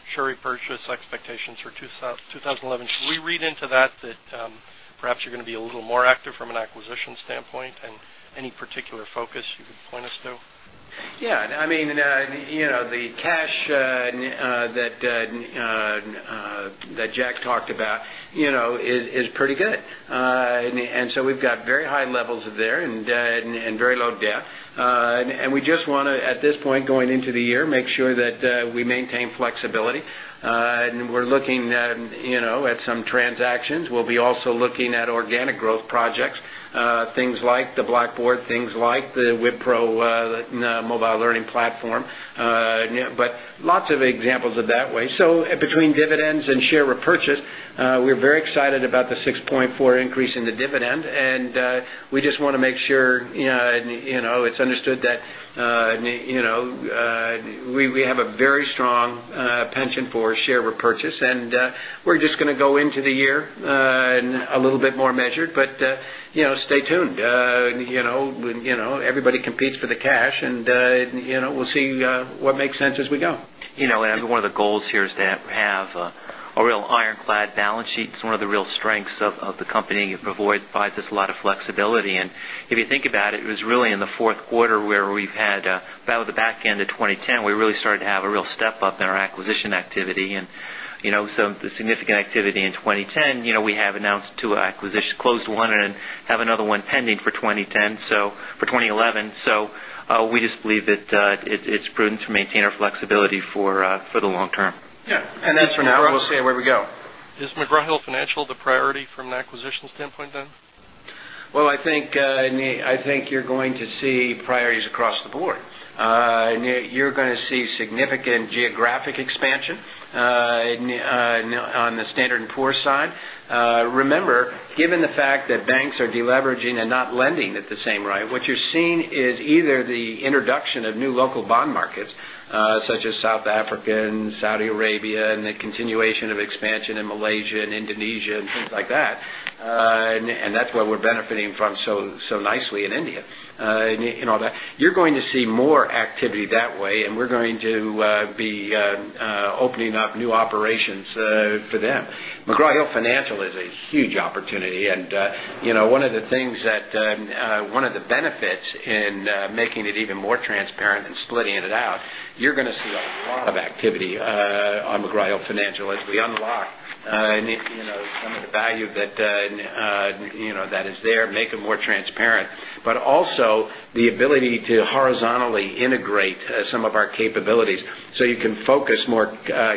Sure. Repurchase expectations for 2011, should we read into that that perhaps you're going to be a little more active from an acquisition standpoint and Any particular focus you could point us to? Yes. I mean, the cash that Jack talked It's pretty good. And so we've got very high levels there and very low debt. And we just want to, at this point, going into the year, make Growth projects, things like the Blackboard, things like the Wipro mobile learning platform, but Lots of examples of that way. So between dividends and share repurchase, we are very excited about the $6,400,000 increase in the dividend, and we just want to make sure Yes. It's understood that we have a very strong pension for share repurchase And we're just going to go into the year a little bit more measured, but stay tuned. Everybody competes for the cash And we'll see what makes sense as we go. And I think one of the goals here is to have a real ironclad balance It's one of the real strengths of the company. It provides us a lot of flexibility. And if you think about it, it was really in the Q4 where we've That was the back end of 2010, we really started to have a real step up in our acquisition activity. And so the significant activity in 2010, we have Now it's 2 acquisitions closed one and have another one pending for 2010, so for 2011. So we just believe that it's prudent to maintain our Flexibility for the long term. Yes. And that's for now. We'll see where we go. Is McGraw Hill Financial the priority from an acquisition standpoint then? Well, I think you're going to see priorities across the board. You're going to see Significant geographic expansion on the Standard and Poor side. Remember, given the fact that banks are deleveraging And Saudi Arabia and the continuation of expansion in Malaysia and Indonesia and things like that. And that's where we're benefiting from so nicely in You're going to see more activity that way, and we're going to be opening In making it even more transparent and splitting it out, you're going to see a lot of activity on McGraw Hill Financial as we Some of the value that is there make it more transparent, but also The ability to horizontally integrate some of our capabilities, so you can focus more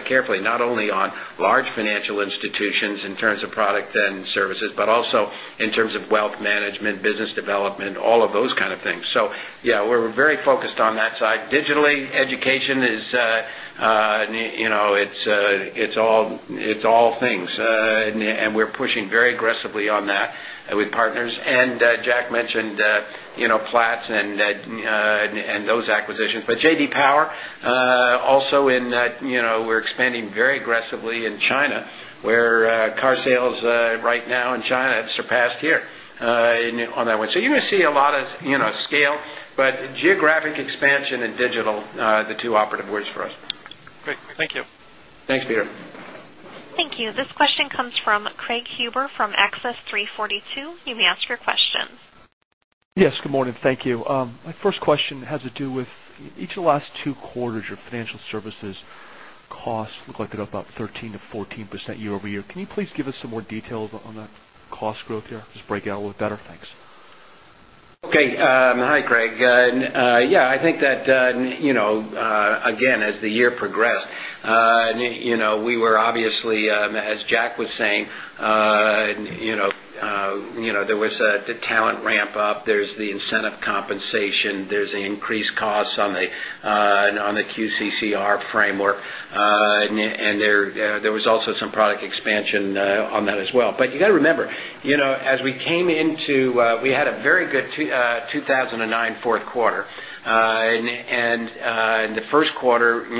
carefully, not only on large financial institutions In terms of product and services, but also in terms of wealth management, business development, all of those kind of things. So yes, we're very focused on So digitally, education is it's all things, and we're pushing very And Jack mentioned Platts and those acquisitions. But J. D. Power, Also in we're expanding very aggressively in China, where car sales right now in China have surpassed Here on that one. So you're going to see a lot of scale, but geographic expansion and digital, the 2 Great. Thank you. Thanks, Peter. Thank you. This question comes from Craig Huber from Axis 3/42. You may ask your question. Yes, good morning. Thank you. My first question has to do with each of the last two quarters your financial services costs look like About 13% to 14% year over year. Can you please give us some more details on the cost growth here? Just break it out a little bit better. Thanks. Okay. Hi, Craig. Yes, I think that, again, as the year progressed, we were obviously, as Jack We're saying there was the talent ramp up, there's the incentive compensation, there's Increased costs on the QCCR framework, and there was also some product expansion on that as well. But you got to remember, As we came into, we had a very good 2,009 Q4 and in the Q1, it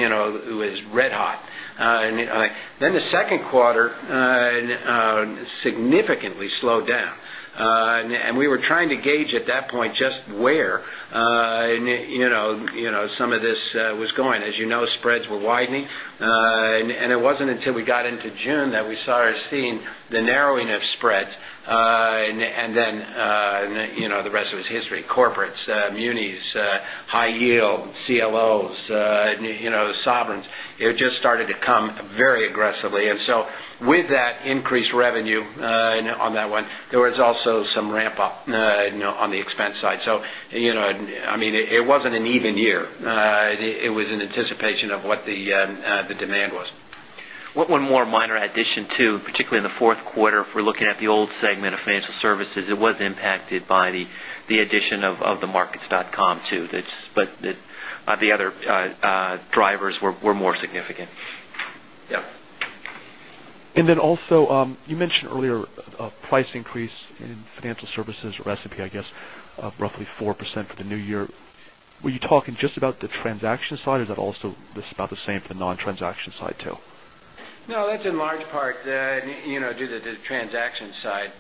was It's red hot. Then the second quarter significantly slowed down. And we were trying to gauge at Just where some of this was going. As you know, spreads were widening, and it wasn't until we got To June that we saw or seen the narrowing of spreads and then the rest of its history, corporates, munis, High yield CLOs, sovereigns, it just started to come very aggressively. And so with that increased revenue on There was also some ramp up on the expense side. So, I mean, it wasn't an even year. It was in anticipation of what the demand was. One more minor addition to particularly in the Q4, if we're looking at the old segment Financial services, it was impacted by the addition of the markets.com too. But the other Drivers were more significant. Yes. And then also, you mentioned earlier a Price increase in financial services or S and P, I guess, roughly 4% for the New Year. Were you talking just about the transaction side? Or is that also just about the No, that's in large part due to the transaction side,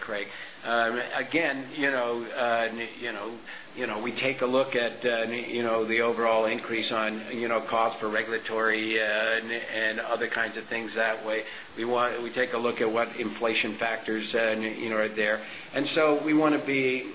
Craig. Again, We take a look at the overall increase on cost for regulatory and The kinds of things that way. We take a look at what inflation factors are there. And so we want to be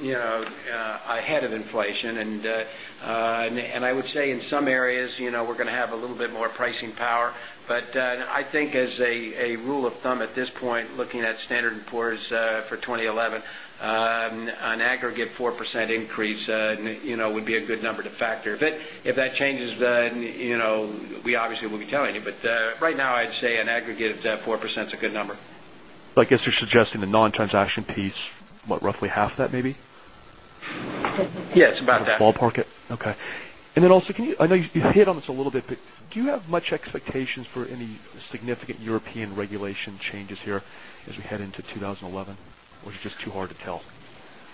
Ahead of inflation, and I would say in some areas, we're going to have a little bit more pricing power. But I think as A rule of thumb at this point looking at Standard and Poor's for 2011, an aggregate 4% increase would be a good If that changes, then we obviously won't be telling you. But right now, I'd say an aggregate 4% is Good number. I guess you're suggesting the non transaction piece, what roughly half that maybe? Yes, about Ballpark it? Okay. And then also can you I know you hit on this a little bit, but do you have much expectations for any significant European Regulation changes here as we head into 2011 or is it just too hard to tell?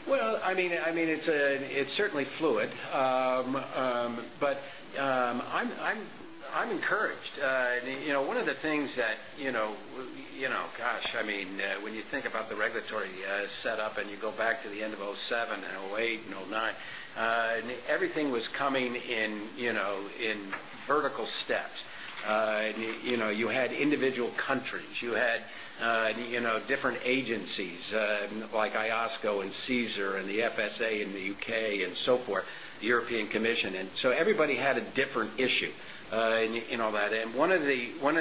Well, I mean, it's Certainly fluid, but I'm encouraged. One of the things that gosh, I mean, when You think about the regulatory setup and you go back to the end of 'seven and 'eight and 'nine, everything was coming In vertical steps, you had individual countries, you had different agencies like And CAESAR and the FSA in the UK and so forth, the European Commission. And so everybody had a different issue in all that. And One of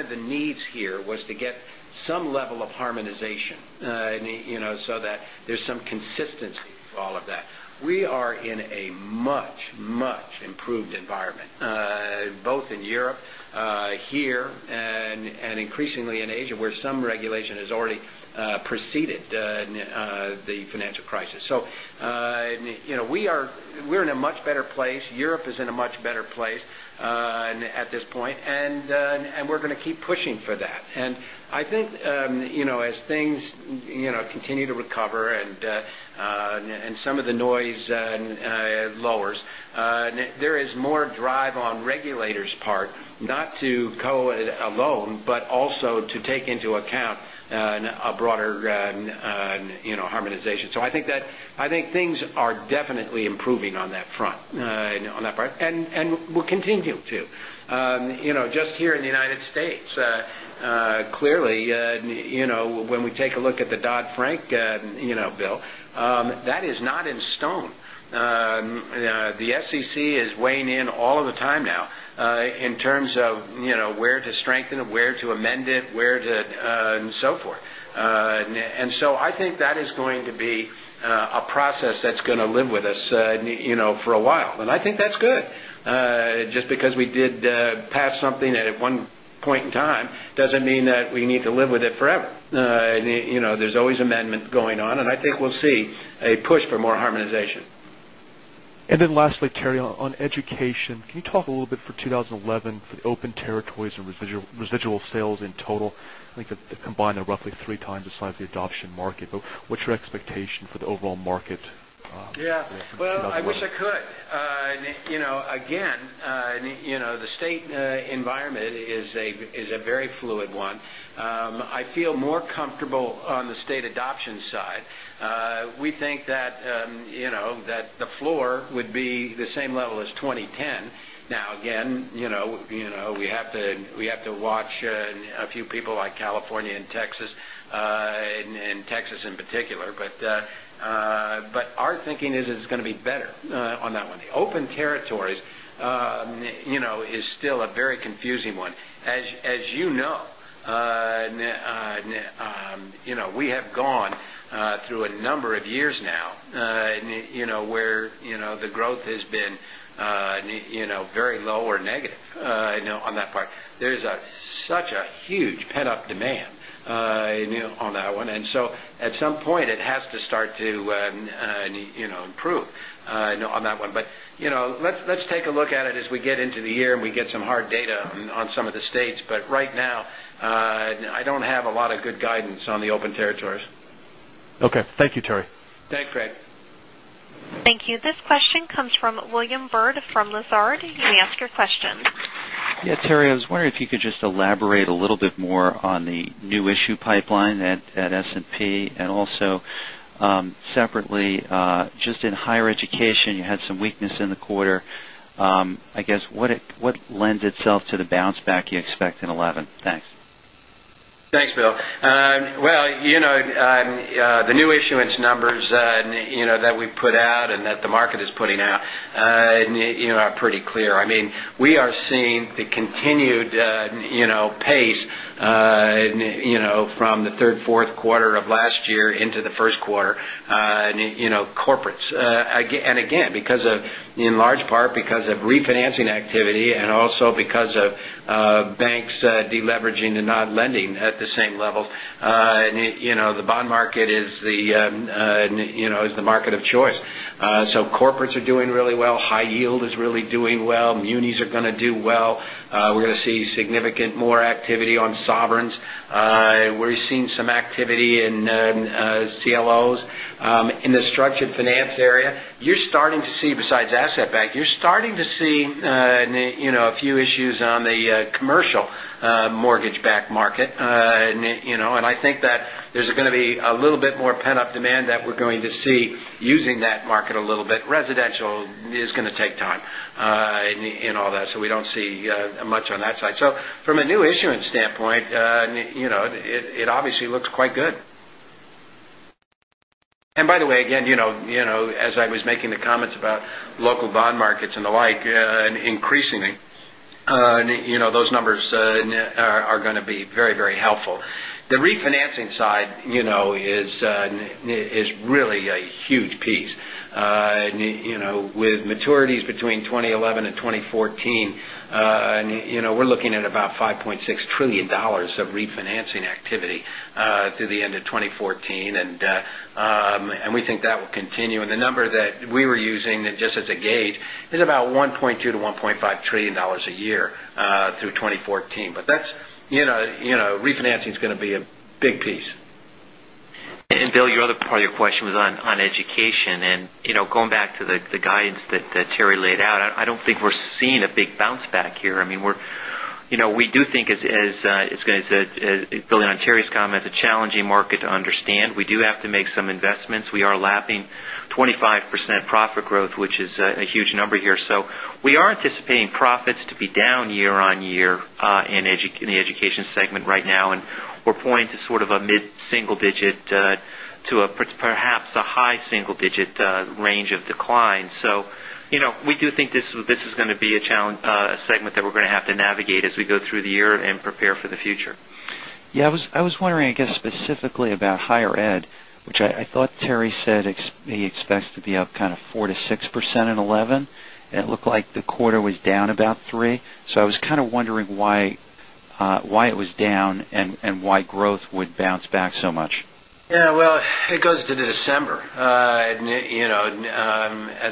the needs here was to get some level of harmonization so that there's some consistency to all of that. We are in a Much, much improved environment, both in Europe, here and increasingly in Asia where some regulation It has already preceded the financial crisis. So we are in a much better Europe is in a much better place at this point and we're going to keep pushing for that. And I think As things continue to recover and some of the noise lowers, there is more drive On regulators' part, not to co it alone, but also to take into account a broader And harmonization. So I think that I think things are definitely improving on that front and we'll continue Just here in the United States, clearly, when we take a look at the Dodd Frank Bill, that is not in stone. The SEC is weighing in all of the time now in terms of Where to strengthen it, where to amend it, where to and so forth. And so I think that is going to be a process that's going to live with For a while, and I think that's good. Just because we did pass something at one point in time doesn't mean that We need to live with it forever. There's always amendments going on, and I think we'll see a push for more harmonization. And then lastly, Terry, on education, can you talk a little bit for 2011 for the open territories and residual sales in total? I think Combined roughly 3 times the size of the adoption market, but what's your expectation for the overall market? Yes. Well, I wish I could. Again, the state environment is a very fluid one. I feel more comfortable On the state adoption side, we think that the floor would be the same level 2010, now again, we have to watch a few people like California and Texas, In Texas in particular, but our thinking is it's going to be better on that one. The open territories It's still a very confusing one. As you know, we have gone through a Number of years now, where the growth has been very low or negative on that part. There is such a Huge pent up demand on that one. And so at some point, it has to start to improve on that one. But Let's take a look at it as we get into the year and we get some hard data on some of the states. But right now, I don't have a lot Good guidance on the open territories. Okay. Thank you, Terry. Thanks, Craig. Thank you. This question comes from William Byrd from Lazard. You may Yes, Terry, I was wondering if you could just elaborate a little bit more on the new issue pipeline at S and P. And also Separately, just in higher education, you had some weakness in the quarter. I guess, what lends itself to the bounce Back, you expect an 11? Thanks. Thanks, Bill. Well, the new issuance numbers that we put out and The market is putting out are pretty clear. I mean, we are seeing the continued pace From the 3rd, Q4 of last year into the Q1, corporates. And again, In large part because of refinancing activity and also because of banks deleveraging and not lending at the Same level. The bond market is the market of choice. So corporates are We're seeing some activity in CLOs in the structured finance area. You're starting to See besides asset backed, you're starting to see a few issues on the commercial mortgage backed market. And I think that There's going to be a little bit more pent up demand that we're going to see using that market a little bit. Residential is going to take time And all that, so we don't see much on that side. So from a new issuance standpoint, it obviously looks quite good. And by the way, again, as I was making the comments about local bond markets and the like, increasingly, those numbers Are going to be very, very helpful. The refinancing side is really a huge piece. With maturities between 2011 2014, we're looking at about $5,600,000,000,000 So refinancing activity through the end of 2014 and we think that will continue and the number that we were using just as a It's about $1,200,000,000 to $1,500,000,000,000 a year through 2014, but that's refinancing is going Yes, big piece. And Bill, your other part of your question was on education and going back to the guidance that Terry laid out, I don't think we're Seeing a big bounce back here. I mean, we do think as Billy on Terry's comments, a challenging market to Understand we do have to make some investments. We are lapping 25% profit growth, which is a huge number here. So we are profits to be down year on year in the Education segment right now and we're pointing to sort of a mid single digit to It's a high single digit range of decline. So we do think this is going to be a challenge segment that we're going to have to navigate as we go through the And prepare for the future. Yes, I was wondering I guess specifically about higher ed, which I thought Terry said We expect to be up kind of 4% to 6% in 2011%. It looked like the quarter was down about 3%. So I was kind of wondering Why it was down and why growth would bounce back so much? Yes, well, it goes to the December. As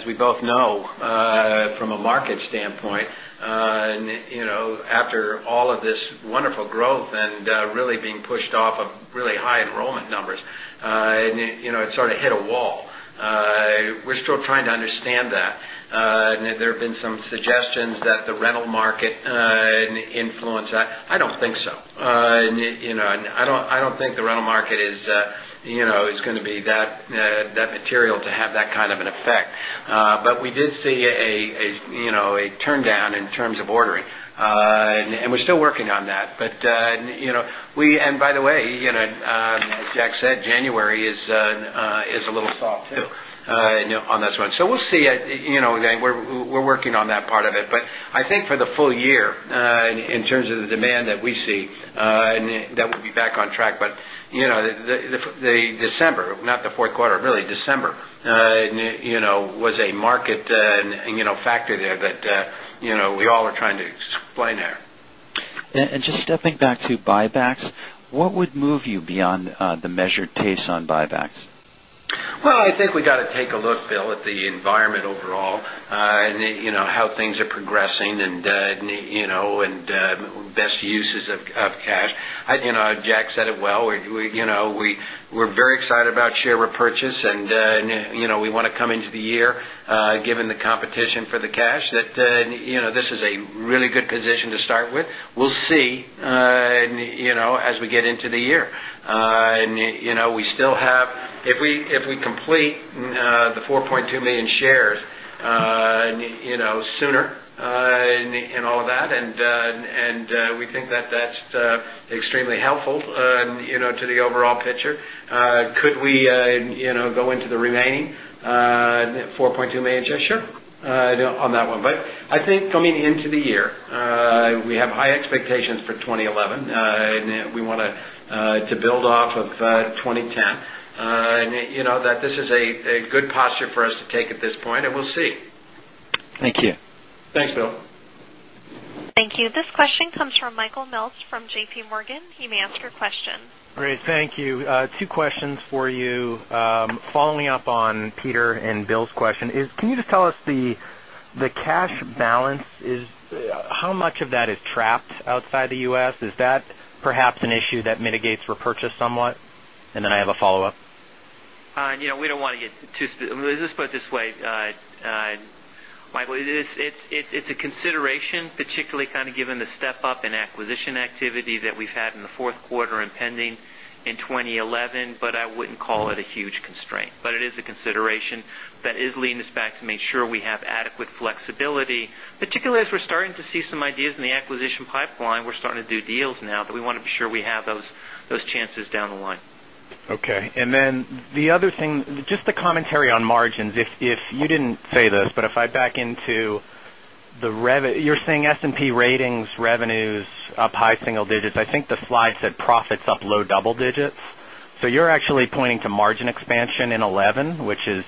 we both know, from a market standpoint, after all of this wonderful growth and And really being pushed off of really high enrollment numbers. It sort of hit a wall. We're still trying Understand that. There have been some suggestions that the rental market influence that. I don't think so. I don't think the rental market is going to be that material to have that kind of an effect, but we did see a It turned down in terms of ordering, and we're still working on that. But we and by the way, as Jack said, January It's a little soft too on this one. So we'll see it. We're working on that part of it. But I think for the full year, In terms of the demand that we see, that will be back on track. But the December, not the Q4, really December was a market factor there that we all are trying to explain And just stepping back to buybacks, what would move you beyond the measured taste on buybacks? Well, I think we got to take a look, Bill, The environment overall and how things are progressing and best uses Jack said it well, we're very excited about share repurchase and we want to come into the year Given the competition for the cash that this is a really good position to start with. We'll see as we get And we still have if we complete the 4,200,000 shares Sooner in all of that, and we think that that's extremely helpful To the overall picture, could we go into the remaining $4,200,000 yes, sure I think coming into the year, we have high expectations for 2011, and we want to build off of 2010. This is a good posture for us to take at this point and we'll see. Thank you. Thanks, Bill. Thank you. This question comes from Michael Mills from JPMorgan. You may ask your question. Great. Thank you. Two questions Following up on Peter and Bill's question is can you just tell us the cash balance is How much of that is trapped outside the U. S? Is that perhaps an issue that mitigates repurchase somewhat? And then I have a follow-up. We don't Let's just put it this way, Michael, it's a consideration, particularly kind of given the step up in acquisition activity that we've had in 4th quarter and pending in 2011, but I wouldn't call it a huge constraint, but it is a consideration that is leading us back to make Sure, we have adequate flexibility, particularly as we're starting to see some ideas in the acquisition pipeline. We're starting to do deals now, but we want Sure we have those chances down the line. Okay. And then the other thing, just the commentary on margins, if you didn't say But if I back into the you're saying S and P ratings revenues up high single digits. I think the I said profits up low double digits. So you're actually pointing to margin expansion in 'eleven, which is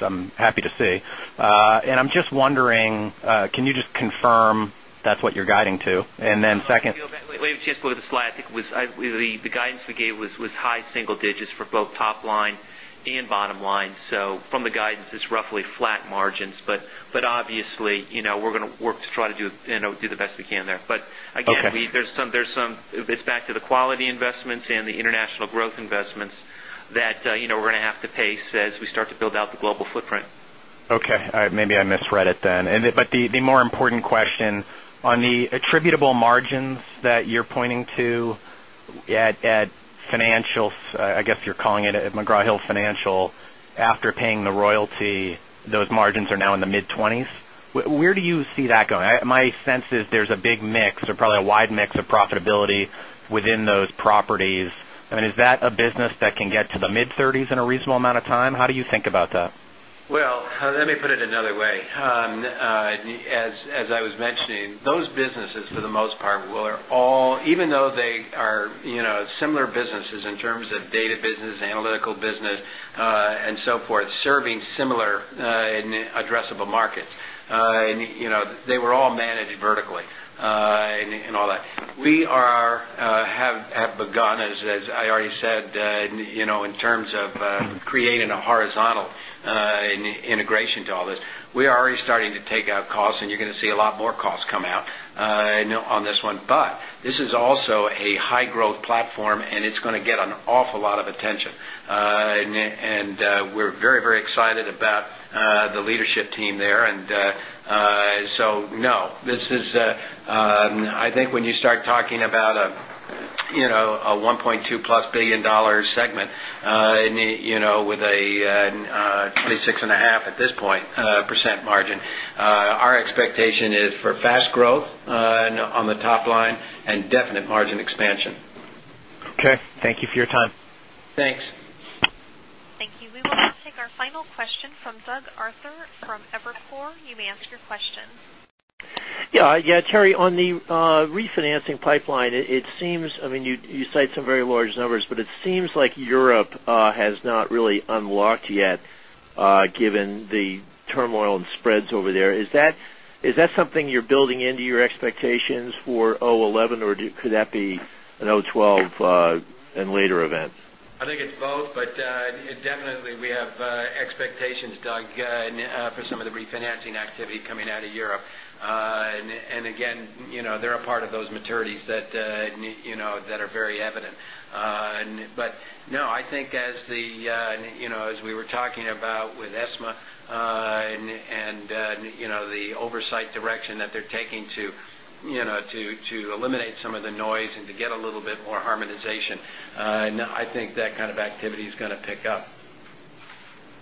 I'm happy to see. And I'm Just wondering, can you just confirm that's what you're guiding to? And then second? Let me just look at the slide. I think the guidance we gave was high single Just for both top line and bottom line. So from the guidance, it's roughly flat margins. But obviously, we're We're going to work to try to do the best we can there. But again, there's some it's back to the quality investments and the international Growth investments that we're going to have to pace as we start to build out the global footprint. Okay. Maybe I misread it then. The more important question on the attributable margins that you're pointing to at financials, I guess you're calling it McGraw A wide mix of profitability within those properties. I mean, is that a business that can get to the mid-30s in a reasonable amount of time? How do you think about that? Well, let me put it As I was mentioning, those businesses for the most part will all even though they are similar businesses in terms of data Analytical business and so forth serving similar in addressable markets. They were all Managed vertically and all that. We are have begun, as I already said, in In terms of creating a horizontal integration to all this, we are already starting to take out costs and you're going to see a lot more costs come out on But this is also a high growth platform and it's going to get an awful lot of attention. And We're very, very excited about the leadership team there. And so, no, this is I think when you start talking About a $1,200,000,000 plus segment with a 26.5 Okay. Thank you for your time. Thanks. Thank you. We will now take our final question from Doug It seems I mean, you cite some very large numbers, but it seems like Europe has not really unlocked yet, given the Turmoil and spreads over there. Is that something you're building into your expectations for 2011 or could that be an 2012 and later event? I think it's both, but definitely we have expectations, Doug, for some of the refinancing activity coming out of Europe. And They're a part of those maturities that are very evident. But no, I think as we were talking about With ESMA and the oversight direction that they're taking to eliminate some of the noise and to get a little bit more harmonization. And I think that kind of activity is going to pick up.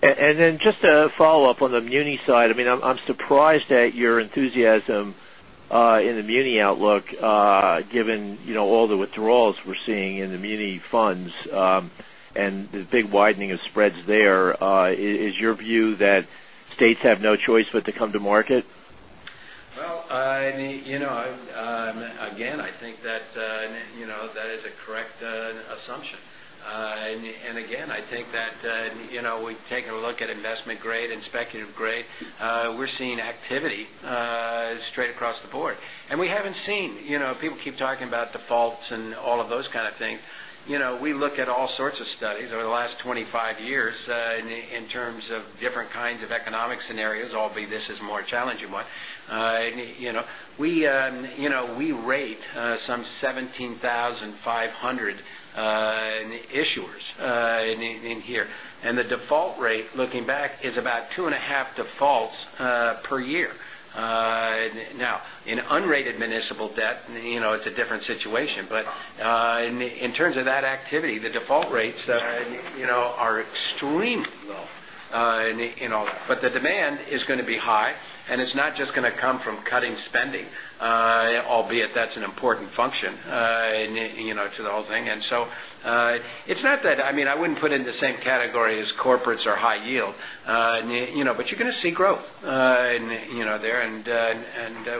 And then just a follow-up on the muni side. I mean, I'm surprised at your enthusiasm in the muni outlook given all the withdrawals we're seeing in the muni funds And the big widening of spreads there, is your view that states have no choice but to come to market? Well, Again, I think that is a correct assumption. And again, I think that We've taken a look at investment grade and speculative grade. We're seeing activity straight across the board. And we haven't seen People keep talking about defaults and all of those kind of things. We look at all sorts of studies over the last 25 years In terms of different kinds of economic scenarios, albeit this is more challenging one. We Some 17,500 issuers in here and the default rate looking back is about 2 point Defaults per year. Now in unrated municipal debt, it's a different situation. But in terms of that Activity, the default rates are extremely low, but the demand is going to be high And it's not just going to come from cutting spending, albeit that's an important function to the whole thing. And so it's not that I mean, I wouldn't put in Same category as corporates are high yield, but you're going to see growth there and we